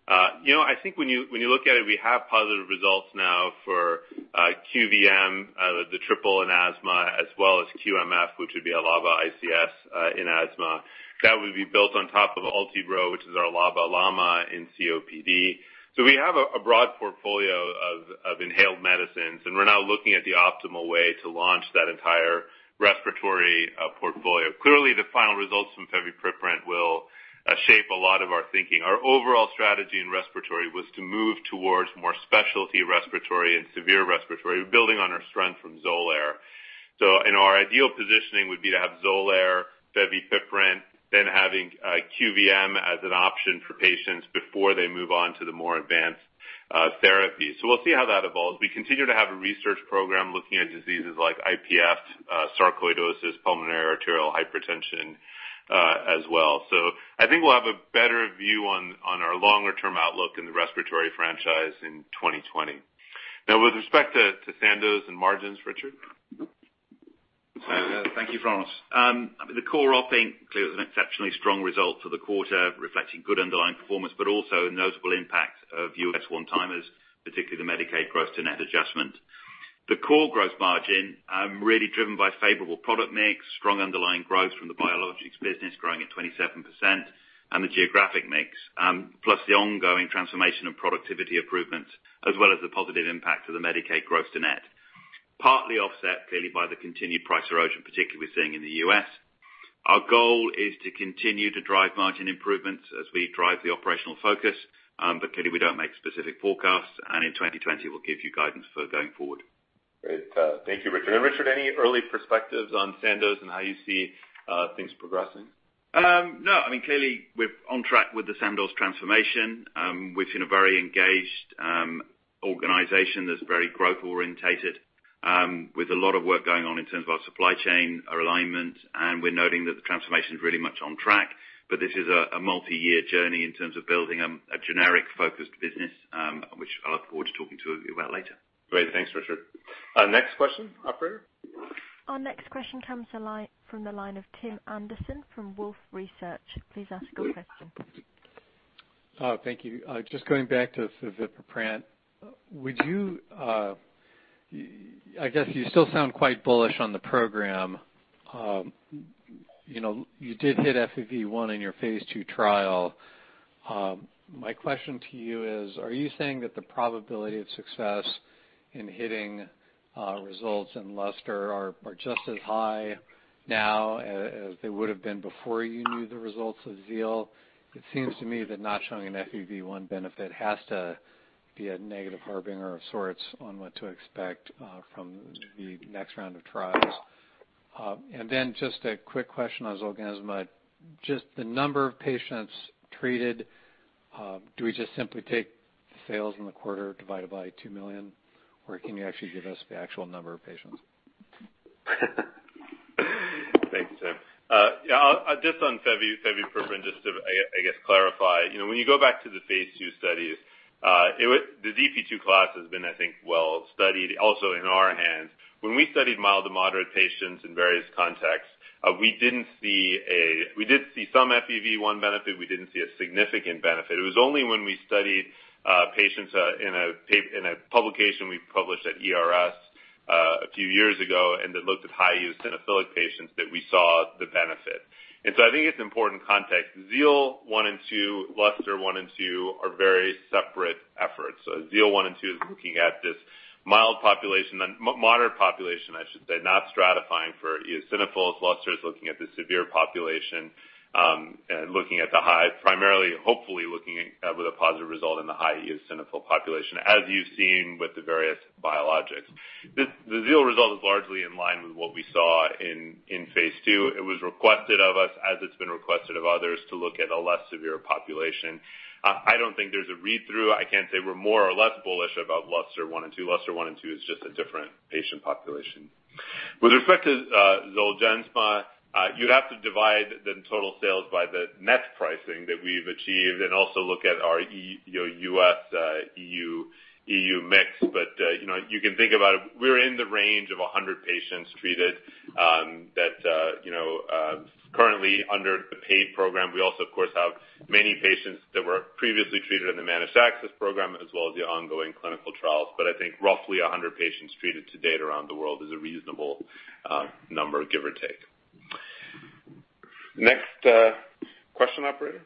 Speaker 3: I think when you look at it, we have positive results now for QVM, the triple in asthma as well as QMF, which would be LABA ICS in asthma. That would be built on top of Ultibro, which is our LABA LAMA in COPD. We have a broad portfolio of inhaled medicines. We're now looking at the optimal way to launch that entire respiratory portfolio. Clearly, the final results from fevipiprant will shape a lot of our thinking. Our overall strategy in respiratory was to move towards more specialty respiratory and severe respiratory. We're building on our strength from Xolair. Our ideal positioning would be to have Xolair, fevipiprant, then having QVM as an option for patients before they move on to the more advanced therapy. We'll see how that evolves. We continue to have a research program looking at diseases like IPF, sarcoidosis, pulmonary arterial hypertension as well. I think we'll have a better view on our longer-term outlook in the respiratory franchise in 2020. With respect to Sandoz and margins, Richard?
Speaker 16: Thank you, Florent. The core op inc. clear was an exceptionally strong result for the quarter, reflecting good underlying performance, but also a notable impact of U.S. one-timers, particularly the Medicaid gross to net adjustment. The core gross margin, really driven by favorable product mix, strong underlying growth from the biologics business growing at 27%, and the geographic mix, plus the ongoing transformation and productivity improvement, as well as the positive impact of the Medicaid gross to net. Partly offset clearly by the continued price erosion, particularly we're seeing in the U.S. Our goal is to continue to drive margin improvements as we drive the operational focus. Clearly we don't make specific forecasts, and in 2020, we'll give you guidance for going forward.
Speaker 3: Great. Thank you, Richard. Richard, any early perspectives on Sandoz and how you see things progressing?
Speaker 16: Clearly we're on track with the Sandoz transformation. We've seen a very engaged organization that's very growth orientated, with a lot of work going on in terms of our supply chain, our alignment, and we're noting that the transformation is really much on track. This is a multi-year journey in terms of building a generic-focused business, which I look forward to talking to you about later.
Speaker 3: Great. Thanks, Richard. Next question, operator.
Speaker 1: Our next question comes from the line of Tim Anderson from Wolfe Research. Please ask your question.
Speaker 17: Thank you. Going back to fevipiprant. I guess you still sound quite bullish on the program. You did hit FEV1 in your phase II trial. My question to you is, are you saying that the probability of success in hitting results in LUSTER are just as high now as they would have been before you knew the results of ZEAL? It seems to me that not showing an FEV1 benefit has to be a negative harbinger of sorts on what to expect from the next round of trials. A quick question on Xolair. The number of patients treated, do we just simply take the sales in the quarter divided by 2 million, or can you actually give us the actual number of patients?
Speaker 3: Thanks, Tim. Just on fevipiprant, just to, I guess, clarify. When you go back to the phase II studies, the DP2 class has been, I think, well studied also in our hands. When we studied mild to moderate patients in various contexts, we did see some FEV1 benefit. We didn't see a significant benefit. It was only when we studied patients in a publication we published at ERS a few years ago and that looked at high eosinophilic patients that we saw the benefit. I think it's important context. ZEAL 1 and ZEAL 2, LUSTER-1 and LUSTER-2 are very separate efforts. ZEAL 1 and ZEAL 2 is looking at this mild population, moderate population, I should say, not stratifying for eosinophils. LUSTER is looking at the severe population, and looking at the primarily, hopefully looking with a positive result in the high eosinophil population, as you've seen with the various biologics. The ZEAL result is largely in line with what we saw in phase II. It was requested of us, as it's been requested of others, to look at a less severe population. I don't think there's a read-through. I can't say we're more or less bullish about LUSTER-1 and LUSTER-2. LUSTER-1 and LUSTER-2 is just a different patient population. With respect to Xolair, you'd have to divide the total sales by the net pricing that we've achieved and also look at our U.S.-E.U. mix. You can think about it. We're in the range of 100 patients treated thatCurrently under the paid program. We also of course have many patients that were previously treated in the managed access program as well as the ongoing clinical trials. I think roughly 100 patients treated to date around the world is a reasonable number, give or take. Next question, operator.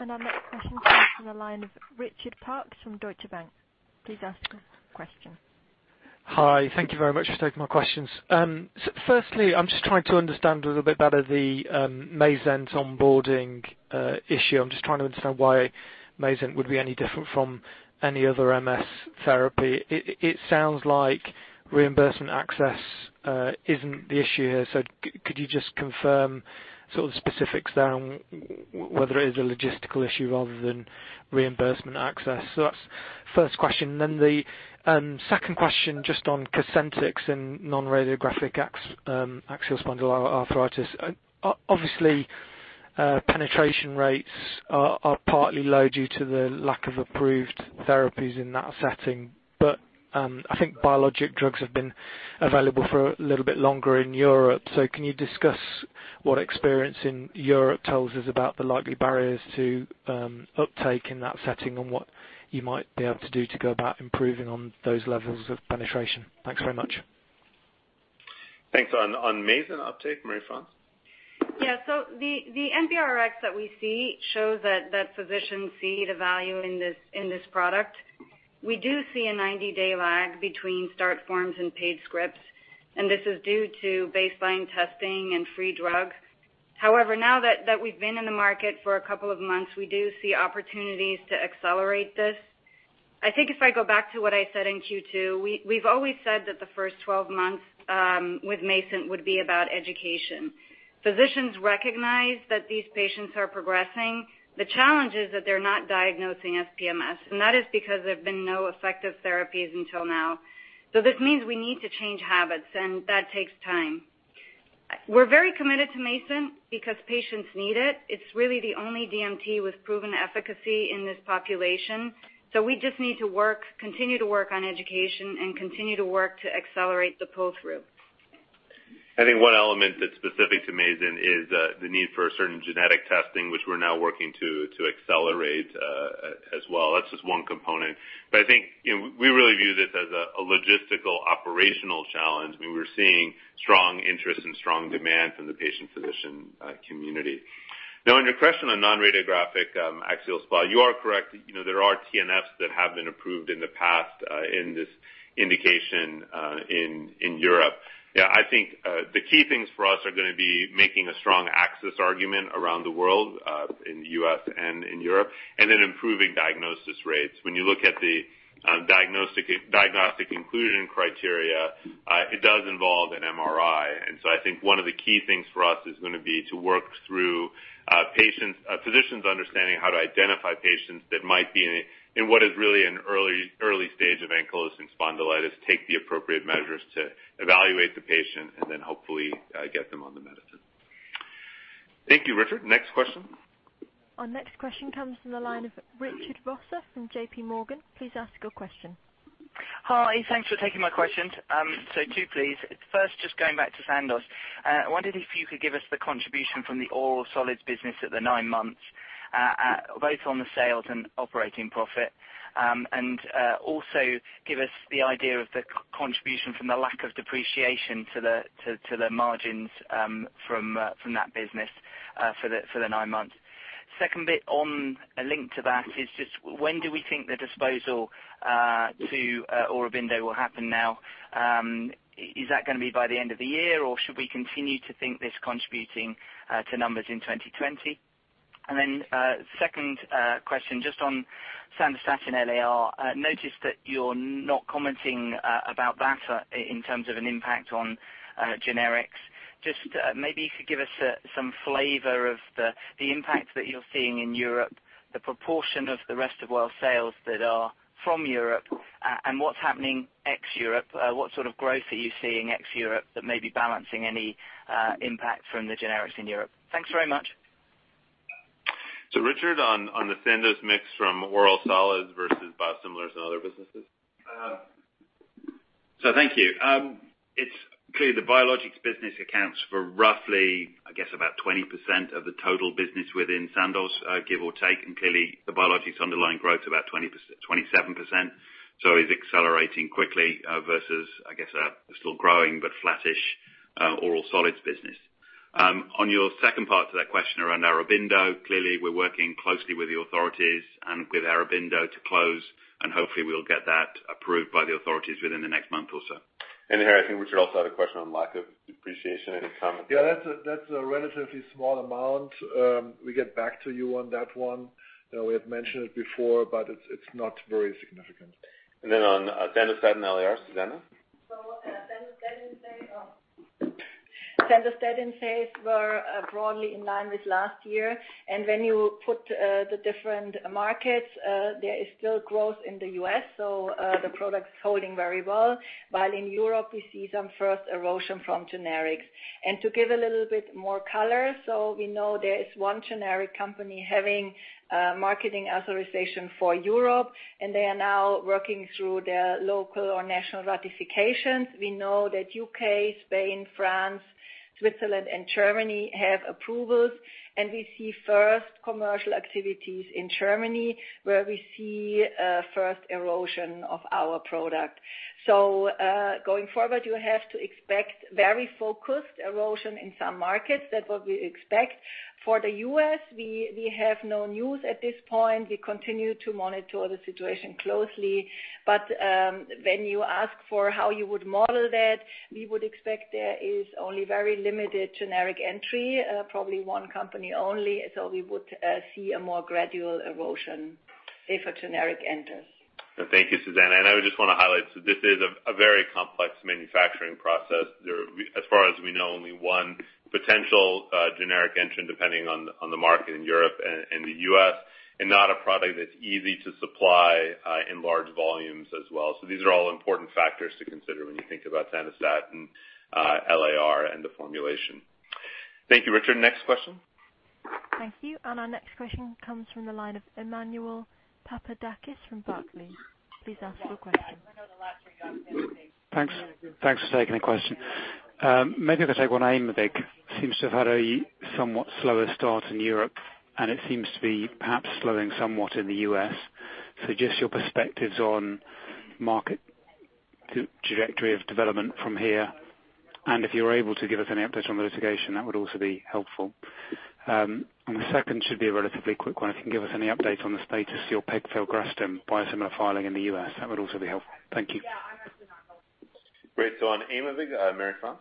Speaker 1: Our next question comes from the line of Richard Parkes from Deutsche Bank. Please ask your question.
Speaker 18: Hi. Thank you very much for taking my questions. I'm just trying to understand a little bit better the Mayzent onboarding issue. I'm just trying to understand why Mayzent would be any different from any other MS therapy. It sounds like reimbursement access isn't the issue here. Could you just confirm sort of the specifics there on whether it is a logistical issue rather than reimbursement access? That's first question, then the second question just on Cosentyx and non-radiographic axial spondyloarthritis. Obviously, penetration rates are partly low due to the lack of approved therapies in that setting. I think biologic drugs have been available for a little bit longer in Europe. Can you discuss what experience in Europe tells us about the likely barriers to uptake in that setting and what you might be able to do to go about improving on those levels of penetration? Thanks very much.
Speaker 3: Thanks. On Mayzent uptake, Marie-France?
Speaker 11: Yeah. The NPRX that we see shows that physicians see the value in this product. We do see a 90-day lag between start forms and paid scripts. This is due to baseline testing and free drug. However, now that we've been in the market for a couple of months, we do see opportunities to accelerate this. I think if I go back to what I said in Q2, we've always said that the first 12 months with Mayzent would be about education. Physicians recognize that these patients are progressing. The challenge is that they're not diagnosing SPMS. That is because there have been no effective therapies until now. This means we need to change habits. That takes time. We're very committed to Mayzent because patients need it. It's really the only DMT with proven efficacy in this population. We just need to continue to work on education and continue to work to accelerate the pull-through.
Speaker 3: I think one element that's specific to Mayzent is the need for certain genetic testing, which we're now working to accelerate as well. That's just one component. I think we really view this as a logistical operational challenge. We're seeing strong interest and strong demand from the patient-physician community. Now on your question on non-radiographic axial SpA, you are correct. There are TNFs that have been approved in the past in this indication in Europe. Yeah, I think the key things for us are going to be making a strong access argument around the world, in the U.S. and in Europe, and then improving diagnosis rates. When you look at the diagnostic inclusion criteria, it does involve an MRI. I think one of the key things for us is going to be to work through physicians understanding how to identify patients that might be in what is really an early stage of ankylosing spondylitis, take the appropriate measures to evaluate the patient, and then hopefully get them on the medicine. Thank you, Richard. Next question.
Speaker 1: Our next question comes from the line of Richard Vosser from JPMorgan. Please ask your question.
Speaker 19: Hi. Thanks for taking my questions. Two, please. First, just going back to Sandoz. I wondered if you could give us the contribution from the oral solids business at the nine months, both on the sales and operating profit. Also give us the idea of the contribution from the lack of depreciation to the margins from that business for the nine months. Second bit on a link to that is just when do we think the disposal to Aurobindo will happen now? Is that going to be by the end of the year, or should we continue to think this contributing to numbers in 2020? Second question just on Sandostatin LAR. Noticed that you're not commenting about that in terms of an impact on generics. Maybe you could give us some flavor of the impact that you're seeing in Europe, the proportion of the rest of world sales that are from Europe, and what's happening ex-Europe. What sort of growth are you seeing ex-Europe that may be balancing any impact from the generics in Europe? Thanks very much.
Speaker 3: Richard, on the Sandoz mix from oral solids versus biosimilars and other businesses?
Speaker 16: Thank you. It's clear the biologics business accounts for roughly, I guess, about 20% of the total business within Sandoz, give or take. Clearly the biologics underlying growth about 27%. Is accelerating quickly versus, I guess, a still growing but flattish oral solids business. On your second part to that question around Aurobindo, clearly we're working closely with the authorities and with Aurobindo to close, and hopefully we'll get that approved by the authorities within the next month or so.
Speaker 3: Harry, I think Richard also had a question on lack of depreciation. Any comment there?
Speaker 4: Yeah, that's a relatively small amount. We get back to you on that one. We have mentioned it before, but it's not very significant.
Speaker 3: On Sandostatin LAR, Susanne?
Speaker 7: Sandostatin in sales were broadly in line with last year. When you put the different markets, there is still growth in the U.S., the product is holding very well. While in Europe, we see some first erosion from generics. To give a little bit more color, we know there is one generic company having marketing authorization for Europe, they are now working through their local or national ratifications. We know that U.K., Spain, France, Switzerland, and Germany have approvals, we see first commercial activities in Germany, where we see first erosion of our product. Going forward, you have to expect very focused erosion in some markets. That's what we expect. For the U.S., we have no news at this point. We continue to monitor the situation closely. When you ask for how you would model that, we would expect there is only very limited generic entry, probably one company only. We would see a more gradual erosion if a generic enters.
Speaker 3: Thank you, Susanne. I would just want to highlight, this is a very complex manufacturing process. As far as we know, only one potential generic entrant depending on the market in Europe and the U.S., and not a product that's easy to supply in large volumes as well. These are all important factors to consider when you think about Sandostatin LAR and the formulation. Thank you, Richard. Next question.
Speaker 1: Thank you. Our next question comes from the line of Emmanuel Papadakis from Barclays. Please ask your question.
Speaker 20: Thanks for taking the question. Maybe if I take one on Aimovig. Seems to have had a somewhat slower start in Europe, and it seems to be perhaps slowing somewhat in the U.S. Just your perspectives on market trajectory of development from here. If you're able to give us any updates on the litigation, that would also be helpful. The second should be a relatively quick one. If you can give us any update on the status of your pegfilgrastim biosimilar filing in the U.S. That would also be helpful. Thank you.
Speaker 3: Great. On Aimovig, Marie-France?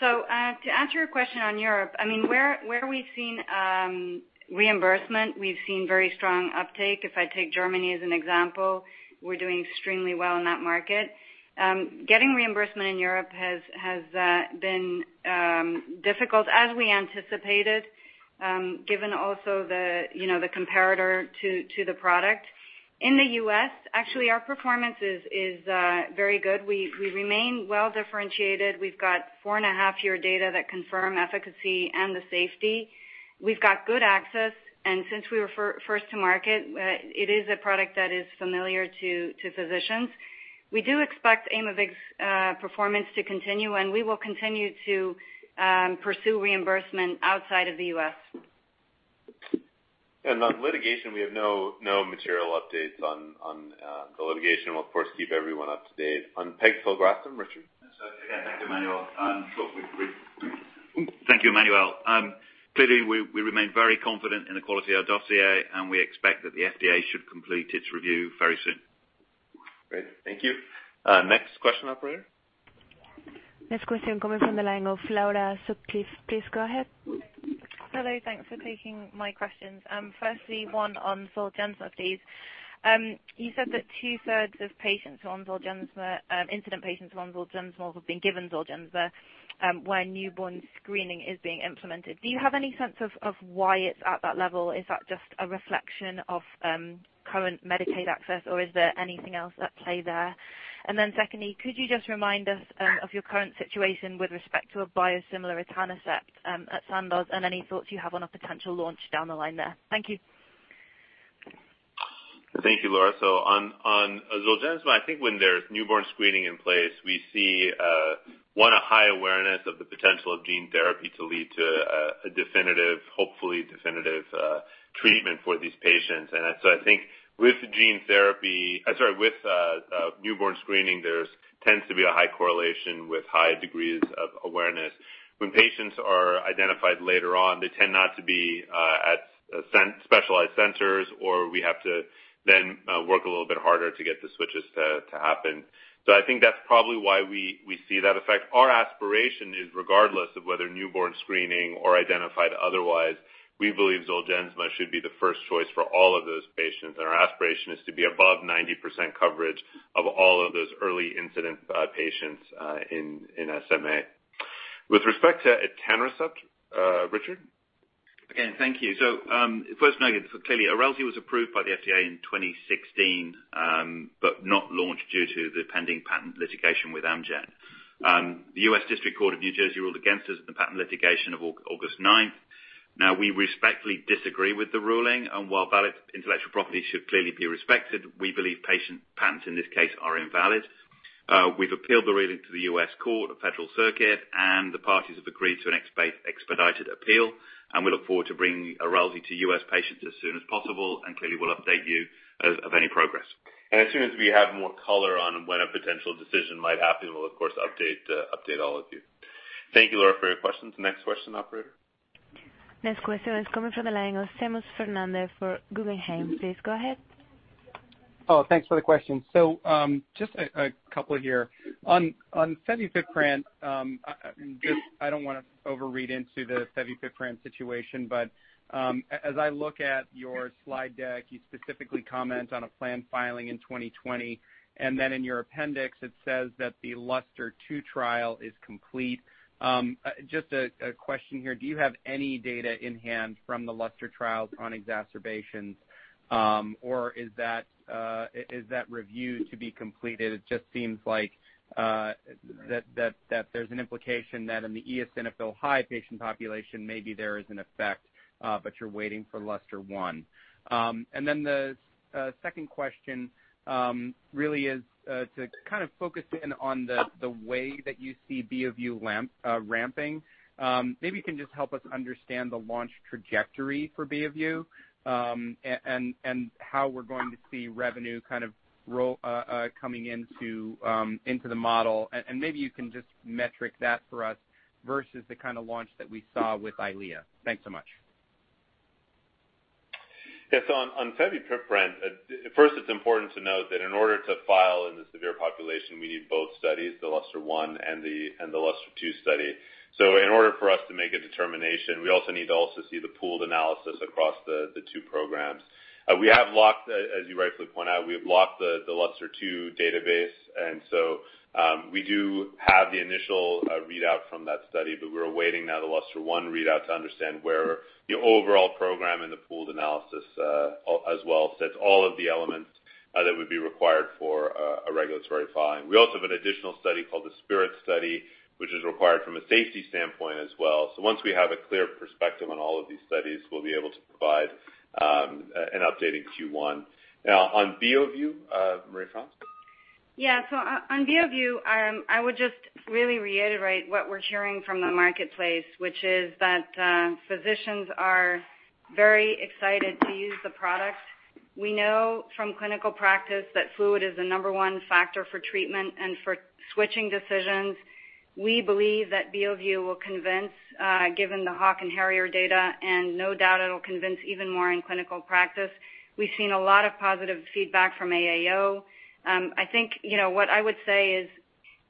Speaker 11: To answer your question on Europe, where we've seen reimbursement, we've seen very strong uptake. If I take Germany as an example, we're doing extremely well in that market. Getting reimbursement in Europe has been difficult as we anticipated, given also the comparator to the product. In the U.S., actually, our performance is very good. We remain well-differentiated. We've got 4.5-year data that confirm efficacy and the safety. We've got good access, and since we were first to market, it is a product that is familiar to physicians. We do expect Aimovig's performance to continue, and we will continue to pursue reimbursement outside of the U.S.
Speaker 3: On litigation, we have no material updates on the litigation. We'll of course, keep everyone up to date. On pegfilgrastim, Richard?
Speaker 16: Again, thanks, Emmanuel.
Speaker 3: Clearly, we remain very confident in the quality of our dossier, and we expect that the FDA should complete its review very soon. Great. Thank you. Next question, operator.
Speaker 1: Next question coming from the line of Laura Sutcliffe. Please go ahead.
Speaker 21: Hello, thanks for taking my questions. One on Zolgensma, please. You said that 2/3 of patients on Zolgensma, incident patients on Zolgensma, have been given Zolgensma, where newborn screening is being implemented. Do you have any sense of why it's at that level? Is that just a reflection of current Medicaid access, or is there anything else at play there? Could you just remind us of your current situation with respect to a biosimilar etanercept at Sandoz and any thoughts you have on a potential launch down the line there? Thank you.
Speaker 3: Thank you, Laura. On Zolgensma, I think when there's newborn screening in place, we see, one, a high awareness of the potential of gene therapy to lead to a definitive, hopefully definitive, treatment for these patients. I think with gene therapy, I'm sorry, with newborn screening, there tends to be a high correlation with high degrees of awareness. When patients are identified later on, they tend not to be at specialized centers, or we have to then work a little bit harder to get the switches to happen. I think that's probably why we see that effect. Our aspiration is, regardless of whether newborn screening or identified otherwise, we believe Zolgensma should be the first choice for all of those patients. Our aspiration is to be above 90% coverage of all of those early incident patients in SMA. With respect to etanercept, Richard?
Speaker 16: Again, thank you. First note, clearly Erelzi was approved by the FDA in 2016, but not launched due to the pending patent litigation with Amgen. The U.S. District Court of New Jersey ruled against us in the patent litigation of August ninth. We respectfully disagree with the ruling, and while valid intellectual property should clearly be respected, we believe patient patents in this case are invalid. We've appealed the ruling to the U.S. Court of Federal Circuit, and the parties have agreed to an expedited appeal. We look forward to bringing Erelzi to U.S. patients as soon as possible, and clearly, we'll update you of any progress.
Speaker 3: As soon as we have more color on when a potential decision might happen, we'll of course update all of you. Thank you, Laura, for your questions. Next question, operator.
Speaker 1: Next question is coming from the line of Seamus Fernandez for Guggenheim. Please go ahead.
Speaker 22: Thanks for the question. Just a couple here. On fevipiprant, I don't want to over-read into the fevipiprant situation, but as I look at your slide deck, you specifically comment on a plan filing in 2020, and then in your appendix it says that the LUSTRE 2 trial is complete. Just a question here, do you have any data in hand from the LUSTRE trials on exacerbations, or is that review to be completed? It just seems like there's an implication that in the eosinophil high patient population, maybe there is an effect, but you're waiting for LUSTRE 1. The second question really is to kind of focus in on the way that you see Beovu ramping. Maybe you can just help us understand the launch trajectory for Beovu, and how we're going to see revenue kind of coming into the model. Maybe you can just metric that for us versus the kind of launch that we saw with EYLEA. Thanks so much.
Speaker 3: Yes. On fevipiprant, first it's important to note that in order to file in the severe population, we need both studies, the LUSTER-1 and the LUSTER-2 study. In order for us to make a determination, we also need to also see the pooled analysis across the two programs. As you rightfully point out, we have locked the LUSTER-2 database, we do have the initial readout from that study. We're awaiting now the LUSTER-1 readout to understand where the overall program and the pooled analysis as well sets all of the elements that would be required for a regulatory filing. We also have an additional study called the SPIRIT study, which is required from a safety standpoint as well. Once we have a clear perspective on all of these studies, we'll be able to provide an update in Q1. On Beovu, Marie-France?
Speaker 11: On Beovu, I would just really reiterate what we're hearing from the marketplace, which is that physicians are very excited to use the product. We know from clinical practice that fluid is the number 1 factor for treatment and for switching decisions. We believe that Beovu will convince, given the HAWK and HARRIER data, no doubt it'll convince even more in clinical practice. We've seen a lot of positive feedback from AAO. I think what I would say is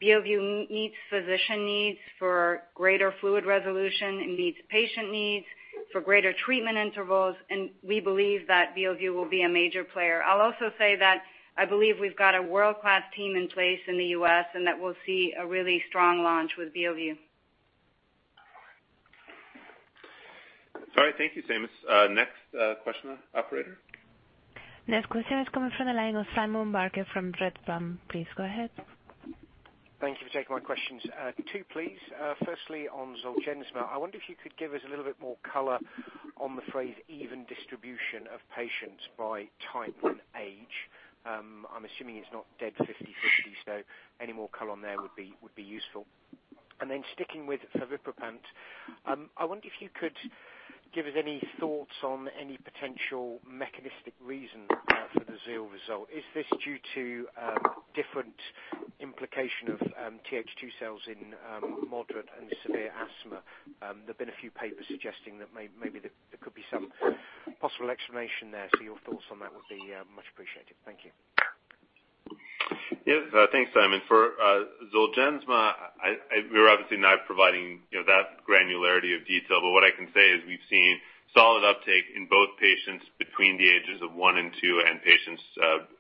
Speaker 11: Beovu meets physician needs for greater fluid resolution and meets patient needs for greater treatment intervals, we believe that Beovu will be a major player. I'll also say that I believe we've got a world-class team in place in the U.S. and that we'll see a really strong launch with Beovu.
Speaker 3: All right. Thank you, Seamus. Next question, operator.
Speaker 1: Next question is coming from the line of Simon Baker from Redburn. Please go ahead.
Speaker 23: Thank you for taking my questions. Two, please. Firstly, on Zolgensma, I wonder if you could give us a little bit more color on the phrase even distribution of patients by type and age. I'm assuming it's not dead 50/50, any more color on there would be useful. Sticking with fevipiprant, I wonder if you could give us any thoughts on any potential mechanistic reason for the ZEAL result. Is this due to different implication of TH2 cells in moderate and severe asthma? There've been a few papers suggesting that maybe there could be some possible explanation there. Your thoughts on that would be much appreciated. Thank you.
Speaker 3: Yes. Thanks, Simon. For ZOLGENSMA, we're obviously not providing that granularity of detail. What I can say is we've seen solid uptake in both patients between the ages of one and two and patients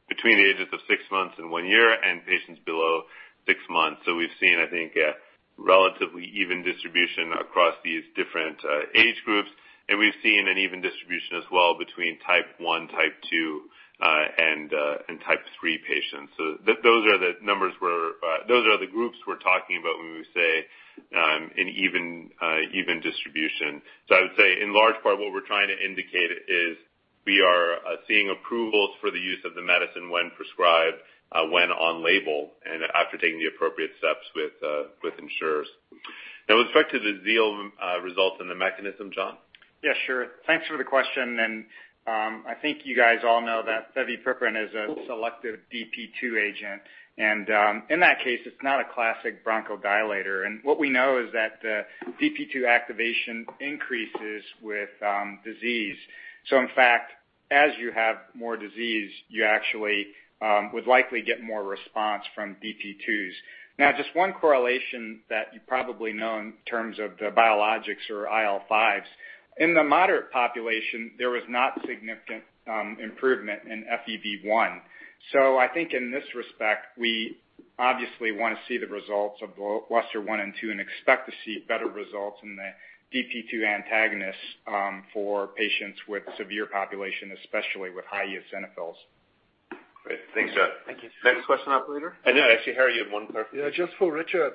Speaker 3: between the ages of six months and one year, and patients below six months. We've seen, I think, a relatively even distribution across these different age groups, and we've seen an even distribution as well between type 1, type 2, and type 3 patients. Those are the groups we're talking about when we say an even distribution. I would say in large part what we're trying to indicate is we are seeing approvals for the use of the medicine when prescribed, when on label, and after taking the appropriate steps with insurers. Now with respect to the ZEAL results and the mechanism, John?
Speaker 10: Yeah, sure. Thanks for the question. I think you guys all know that fevipiprant is a selective DP2 agent, and in that case, it's not a classic bronchodilator. What we know is that DP2 activation increases with disease. In fact, as you have more disease, you actually would likely get more response from DP2s. Now, just one correlation that you probably know in terms of the biologics or IL-5s. In the moderate population, there was not significant improvement in FEV1. I think in this respect, we obviously want to see the results of LUSTER-1 and LUSTER-2 and expect to see better results in the DP2 antagonists for patients with severe population, especially with high eosinophils.
Speaker 3: Great. Thanks, John.
Speaker 23: Thank you.
Speaker 3: Next question, operator. Yeah, actually, Harry, you had one clarification.
Speaker 4: Yeah, just for Richard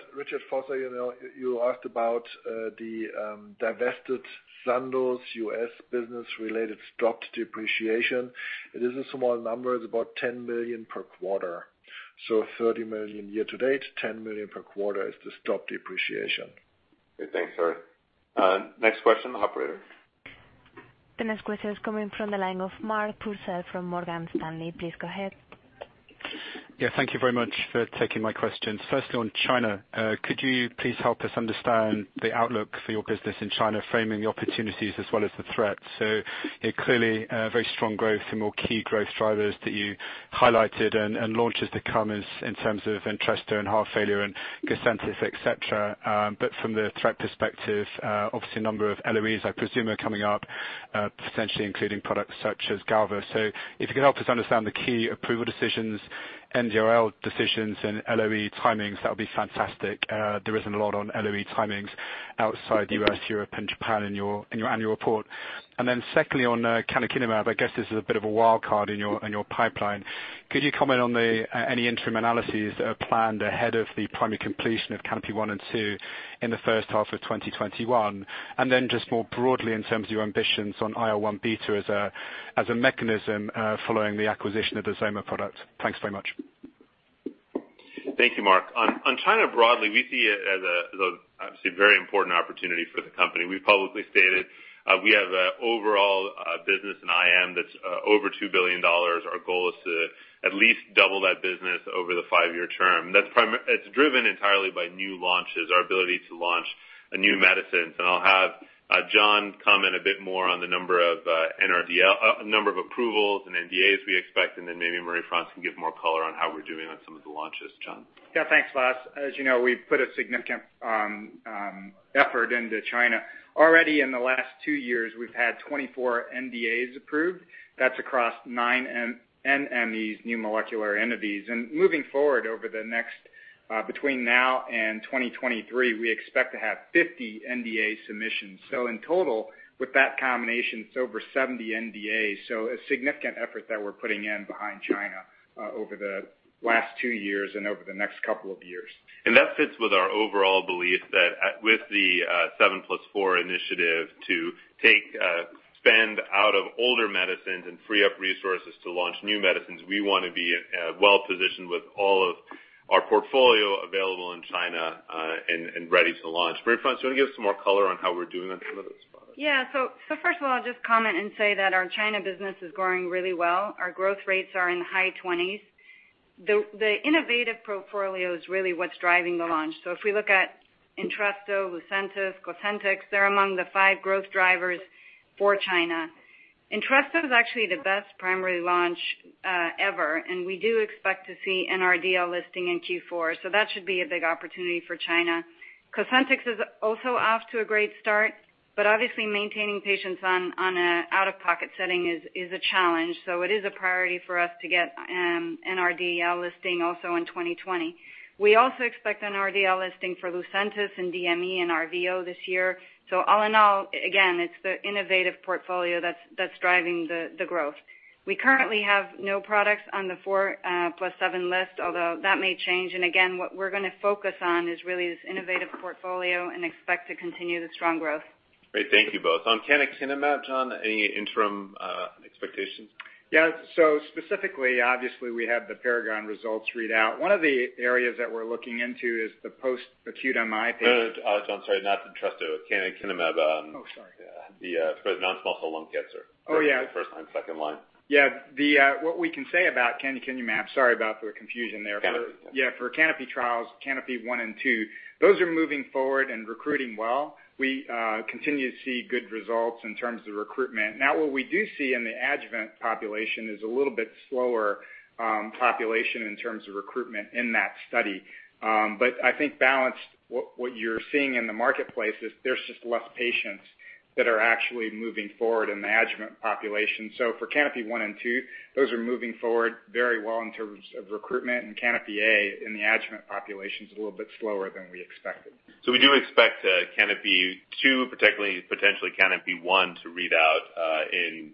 Speaker 4: Vosser. You asked about the divested Sandoz U.S. business related stopped depreciation. It is a small number. It's about $10 million per quarter. $30 million year to date, $10 million per quarter is the stopped depreciation.
Speaker 3: Great. Thanks, Harry. Next question, operator.
Speaker 1: The next question is coming from the line of Mark Purcell from Morgan Stanley. Please go ahead.
Speaker 24: Yeah, thank you very much for taking my questions. Firstly, on China, could you please help us understand the outlook for your business in China, framing the opportunities as well as the threats? Clearly, very strong growth, some more key growth drivers that you highlighted and launches to come in terms of Entresto and heart failure and Cosentyx, et cetera. From the threat perspective, obviously a number of LOEs, I presume, are coming up, potentially including products such as Galvus. If you could help us understand the key approval decisions, NRDL decisions and LOE timings, that would be fantastic. There isn't a lot on LOE timings outside the U.S., Europe, and Japan in your annual report. Secondly, on canakinumab, I guess this is a bit of a wild card in your pipeline. Could you comment on any interim analyses that are planned ahead of the primary completion of CANOPY-1 and CANOPY-2 in the first half of 2021? Just more broadly, in terms of your ambitions on IL-1 beta as a mechanism following the acquisition of the XOMA product? Thanks very much.
Speaker 3: Thank you, Mark. On China broadly, we see it as a obviously very important opportunity for the company. We've publicly stated we have an overall business in IM that's over $2 billion. Our goal is to at least double that business over the five-year term. It's driven entirely by new launches, our ability to launch new medicines. I'll have John comment a bit more on the number of approvals and NDAs we expect, and then maybe Marie-France can give more color on how we're doing on some of the launches. John?
Speaker 10: Thanks, Vas. As you know, we've put a significant effort into China. Already in the last two years, we've had 24 NDAs approved. That's across nine NMEs, new molecular entities. Moving forward over the next, between now and 2023, we expect to have 50 NDA submissions. In total, with that combination, it's over 70 NDAs. A significant effort that we're putting in behind China over the last two years and over the next couple of years.
Speaker 3: That fits with our overall belief that with the seven plus four initiative to take spend out of older medicines and free up resources to launch new medicines, we want to be well-positioned with all of our portfolio available in China, and ready to launch. Marie-France, do you want to give us some more color on how we're doing on some of those products?
Speaker 11: First of all, I'll just comment and say that our China business is growing really well. Our growth rates are in the high 20s. The innovative portfolio is really what's driving the launch. If we look at Entresto, Lucentis, Cosentyx, they're among the five growth drivers for China. Entresto is actually the best primary launch ever, and we do expect to see an NRDL listing in Q4. That should be a big opportunity for China. Cosentyx is also off to a great start, obviously maintaining patients on an out-of-pocket setting is a challenge. It is a priority for us to get an NRDL listing also in 2020. We also expect an NRDL listing for Lucentis and DME and RVO this year. All in all, again, it's the innovative portfolio that's driving the growth. We currently have no products on the 4+7 list, although that may change. Again, what we're going to focus on is really this innovative portfolio and expect to continue the strong growth.
Speaker 3: Great. Thank you both. On canakinumab, John, any interim expectations?
Speaker 10: Yeah. Specifically, obviously, we have the PARAGON results read out. One of the areas that we're looking into is the post-acute MI patient.
Speaker 3: Oh, John, sorry, not Entresto. canakinumab.
Speaker 10: Oh, sorry.
Speaker 3: Yeah. For the non-small cell lung cancer.
Speaker 10: Oh, yeah.
Speaker 3: First line, second line.
Speaker 10: Yeah. What we can say about canakinumab, sorry about the confusion there.
Speaker 3: Canakinumab.
Speaker 10: Yeah, for CANOPY trials, CANOPY-1 and CANOPY-2, those are moving forward and recruiting well. We continue to see good results in terms of recruitment. What we do see in the adjuvant population is a little bit slower population in terms of recruitment in that study. I think balanced, what you're seeing in the marketplace is there's just less patients that are actually moving forward in the adjuvant population. For CANOPY-1 and CANOPY-2, those are moving forward very well in terms of recruitment, and CANOPY A in the adjuvant population is a little bit slower than we expected.
Speaker 3: We do expect CANOPY-2, potentially CANOPY-1, to read out in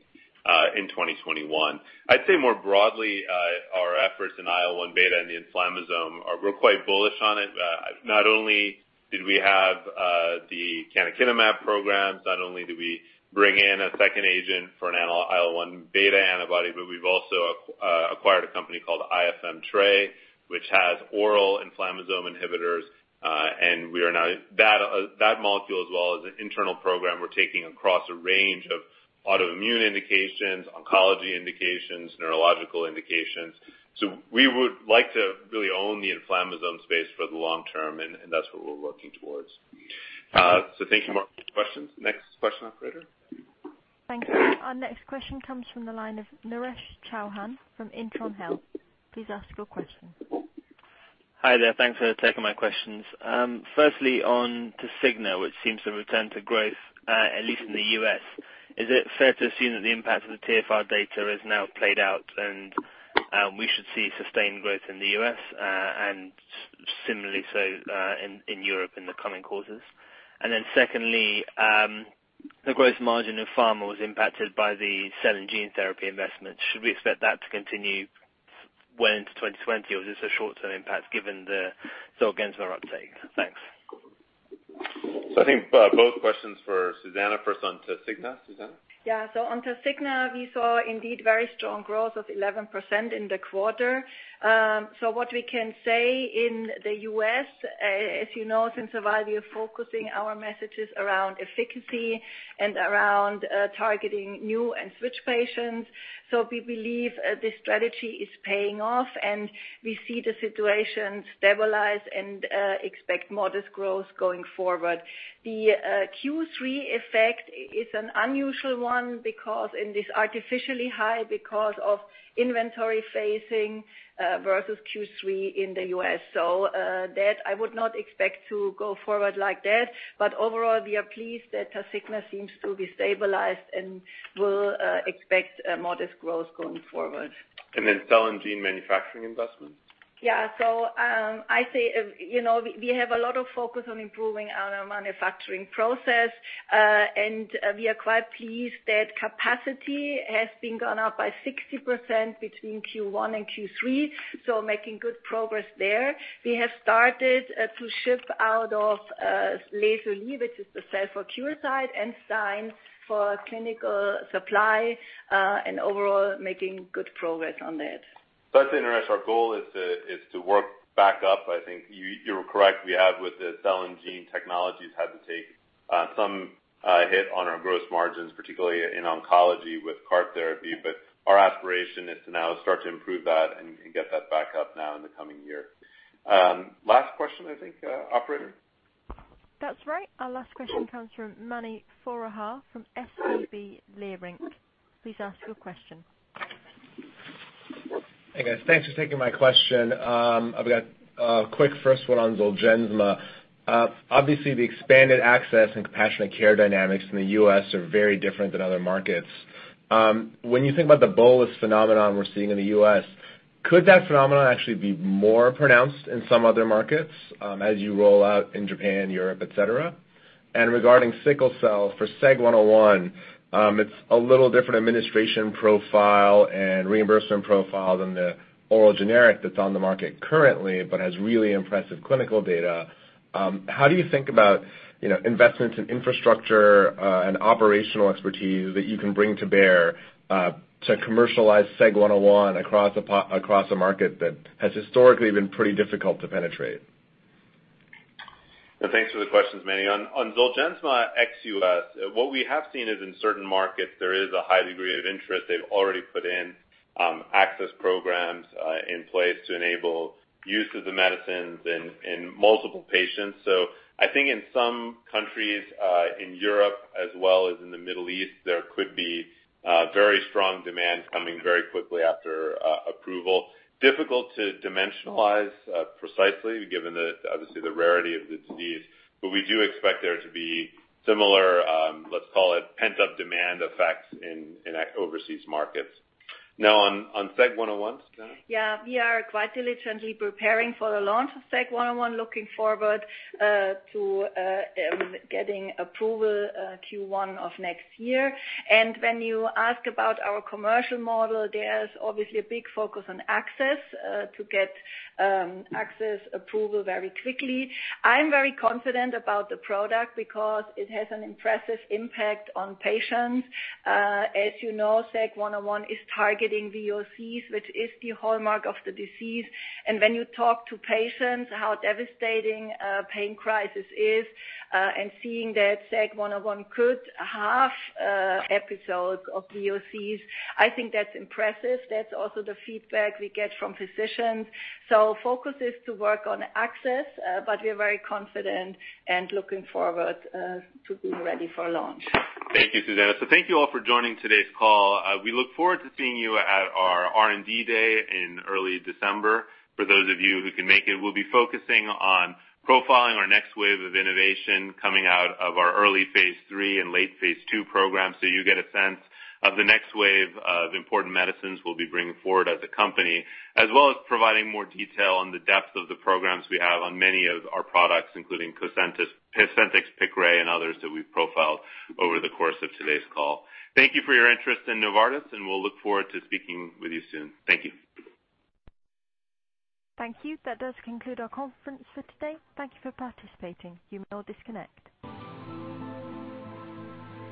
Speaker 3: 2021. I'd say more broadly, our efforts in IL-1 beta and the inflammasome, we're quite bullish on it. Not only did we have the canakinumab programs, not only do we bring in a second agent for an IL-1 beta antibody, but we've also acquired a company called IFM Therapeutics, which has oral inflammasome inhibitors. That molecule as well as an internal program we're taking across a range of autoimmune indications, oncology indications, neurological indications. We would like to really own the inflammasome space for the long term, and that's what we're working towards. Thank you, Mark, for the questions. Next question, operator.
Speaker 1: Thank you. Our next question comes from the line of Naresh Chouhan from Intron Health. Please ask your question.
Speaker 25: Hi there. Thanks for taking my questions. Firstly, on to Tasigna, which seems to return to growth, at least in the U.S. Is it fair to assume that the impact of the TFR data is now played out and we should see sustained growth in the U.S., and similarly so in Europe in the coming quarters? Secondly, the gross margin in pharma was impacted by the selling gene therapy investment. Should we expect that to continue well into 2020, or is this a short-term impact given the Zolgensma uptake? Thanks.
Speaker 3: I think both questions for Susanne. First on Tasigna. Susanne?
Speaker 7: Yeah. On Tasigna, we saw indeed very strong growth of 11% in the quarter. What we can say in the U.S., as you know, since AVAIL, we are focusing our messages around efficacy and around targeting new and switch patients. We believe this strategy is paying off, and we see the situation stabilize and expect modest growth going forward. The Q3 effect is an unusual one because it is artificially high because of inventory phasing versus Q3 in the U.S. That I would not expect to go forward like that. Overall, we are pleased that Tasigna seems to be stabilized and will expect modest growth going forward.
Speaker 3: Cell and gene manufacturing investments.
Speaker 7: Yeah. I say we have a lot of focus on improving our manufacturing process. We are quite pleased that capacity has been gone up by 60% between Q1 and Q3, so making good progress there. We have started to ship out of Les Ulis, which is the CellForCure side and signs for clinical supply, and overall, making good progress on that.
Speaker 3: I'd say, in retrospect, our goal is to work back up. I think you're correct. We have with the cell and gene technologies had to take some hit on our gross margins, particularly in oncology with CAR-T therapy. Our aspiration is to now start to improve that and get that back up now in the coming year. Last question, I think, operator.
Speaker 1: That's right. Our last question comes from Mani Foroohar from SVB Leerink. Please ask your question.
Speaker 26: Hey, guys. Thanks for taking my question. I've got a quick first one on Zolgensma. Obviously, the expanded access and compassionate care dynamics in the U.S. are very different than other markets. When you think about the bolus phenomenon we're seeing in the U.S., could that phenomenon actually be more pronounced in some other markets as you roll out in Japan, Europe, et cetera? Regarding sickle cell, for SEG101, it's a little different administration profile and reimbursement profile than the oral generic that's on the market currently, but has really impressive clinical data. How do you think about investments in infrastructure and operational expertise that you can bring to bear to commercialize SEG101 across a market that has historically been pretty difficult to penetrate?
Speaker 3: Thanks for the questions, Mani. On Zolgensma ex-U.S., what we have seen is in certain markets, there is a high degree of interest. They've already put in access programs in place to enable use of the medicines in multiple patients. I think in some countries in Europe as well as in the Middle East, there could be very strong demand coming very quickly after approval. Difficult to dimensionalize precisely given obviously the rarity of the disease. We do expect there to be similar, let's call it pent-up demand effects in overseas markets. Now on SEG101, Susanne.
Speaker 7: Yeah. We are quite diligently preparing for the launch of SEG101, looking forward to getting approval Q1 of next year. When you ask about our commercial model, there's obviously a big focus on access to get access approval very quickly. I'm very confident about the product because it has an impressive impact on patients. As you know, SEG101 is targeting VOCs, which is the hallmark of the disease. When you talk to patients, how devastating a pain crisis is, and seeing that SEG101 could halve episodes of VOCs, I think that's impressive. That's also the feedback we get from physicians. Focus is to work on access, but we're very confident and looking forward to being ready for launch.
Speaker 3: Thank you, Susanne. Thank you all for joining today's call. We look forward to seeing you at our R&D day in early December. For those of you who can make it, we'll be focusing on profiling our next wave of innovation coming out of our early phase III and late phase II programs so you get a sense of the next wave of important medicines we'll be bringing forward as a company. As well as providing more detail on the depth of the programs we have on many of our products, including Cosentyx, Piqray, and others that we've profiled over the course of today's call. Thank you for your interest in Novartis, and we'll look forward to speaking with you soon. Thank you.
Speaker 1: Thank you. That does conclude our conference for today. Thank you for participating. You may all disconnect.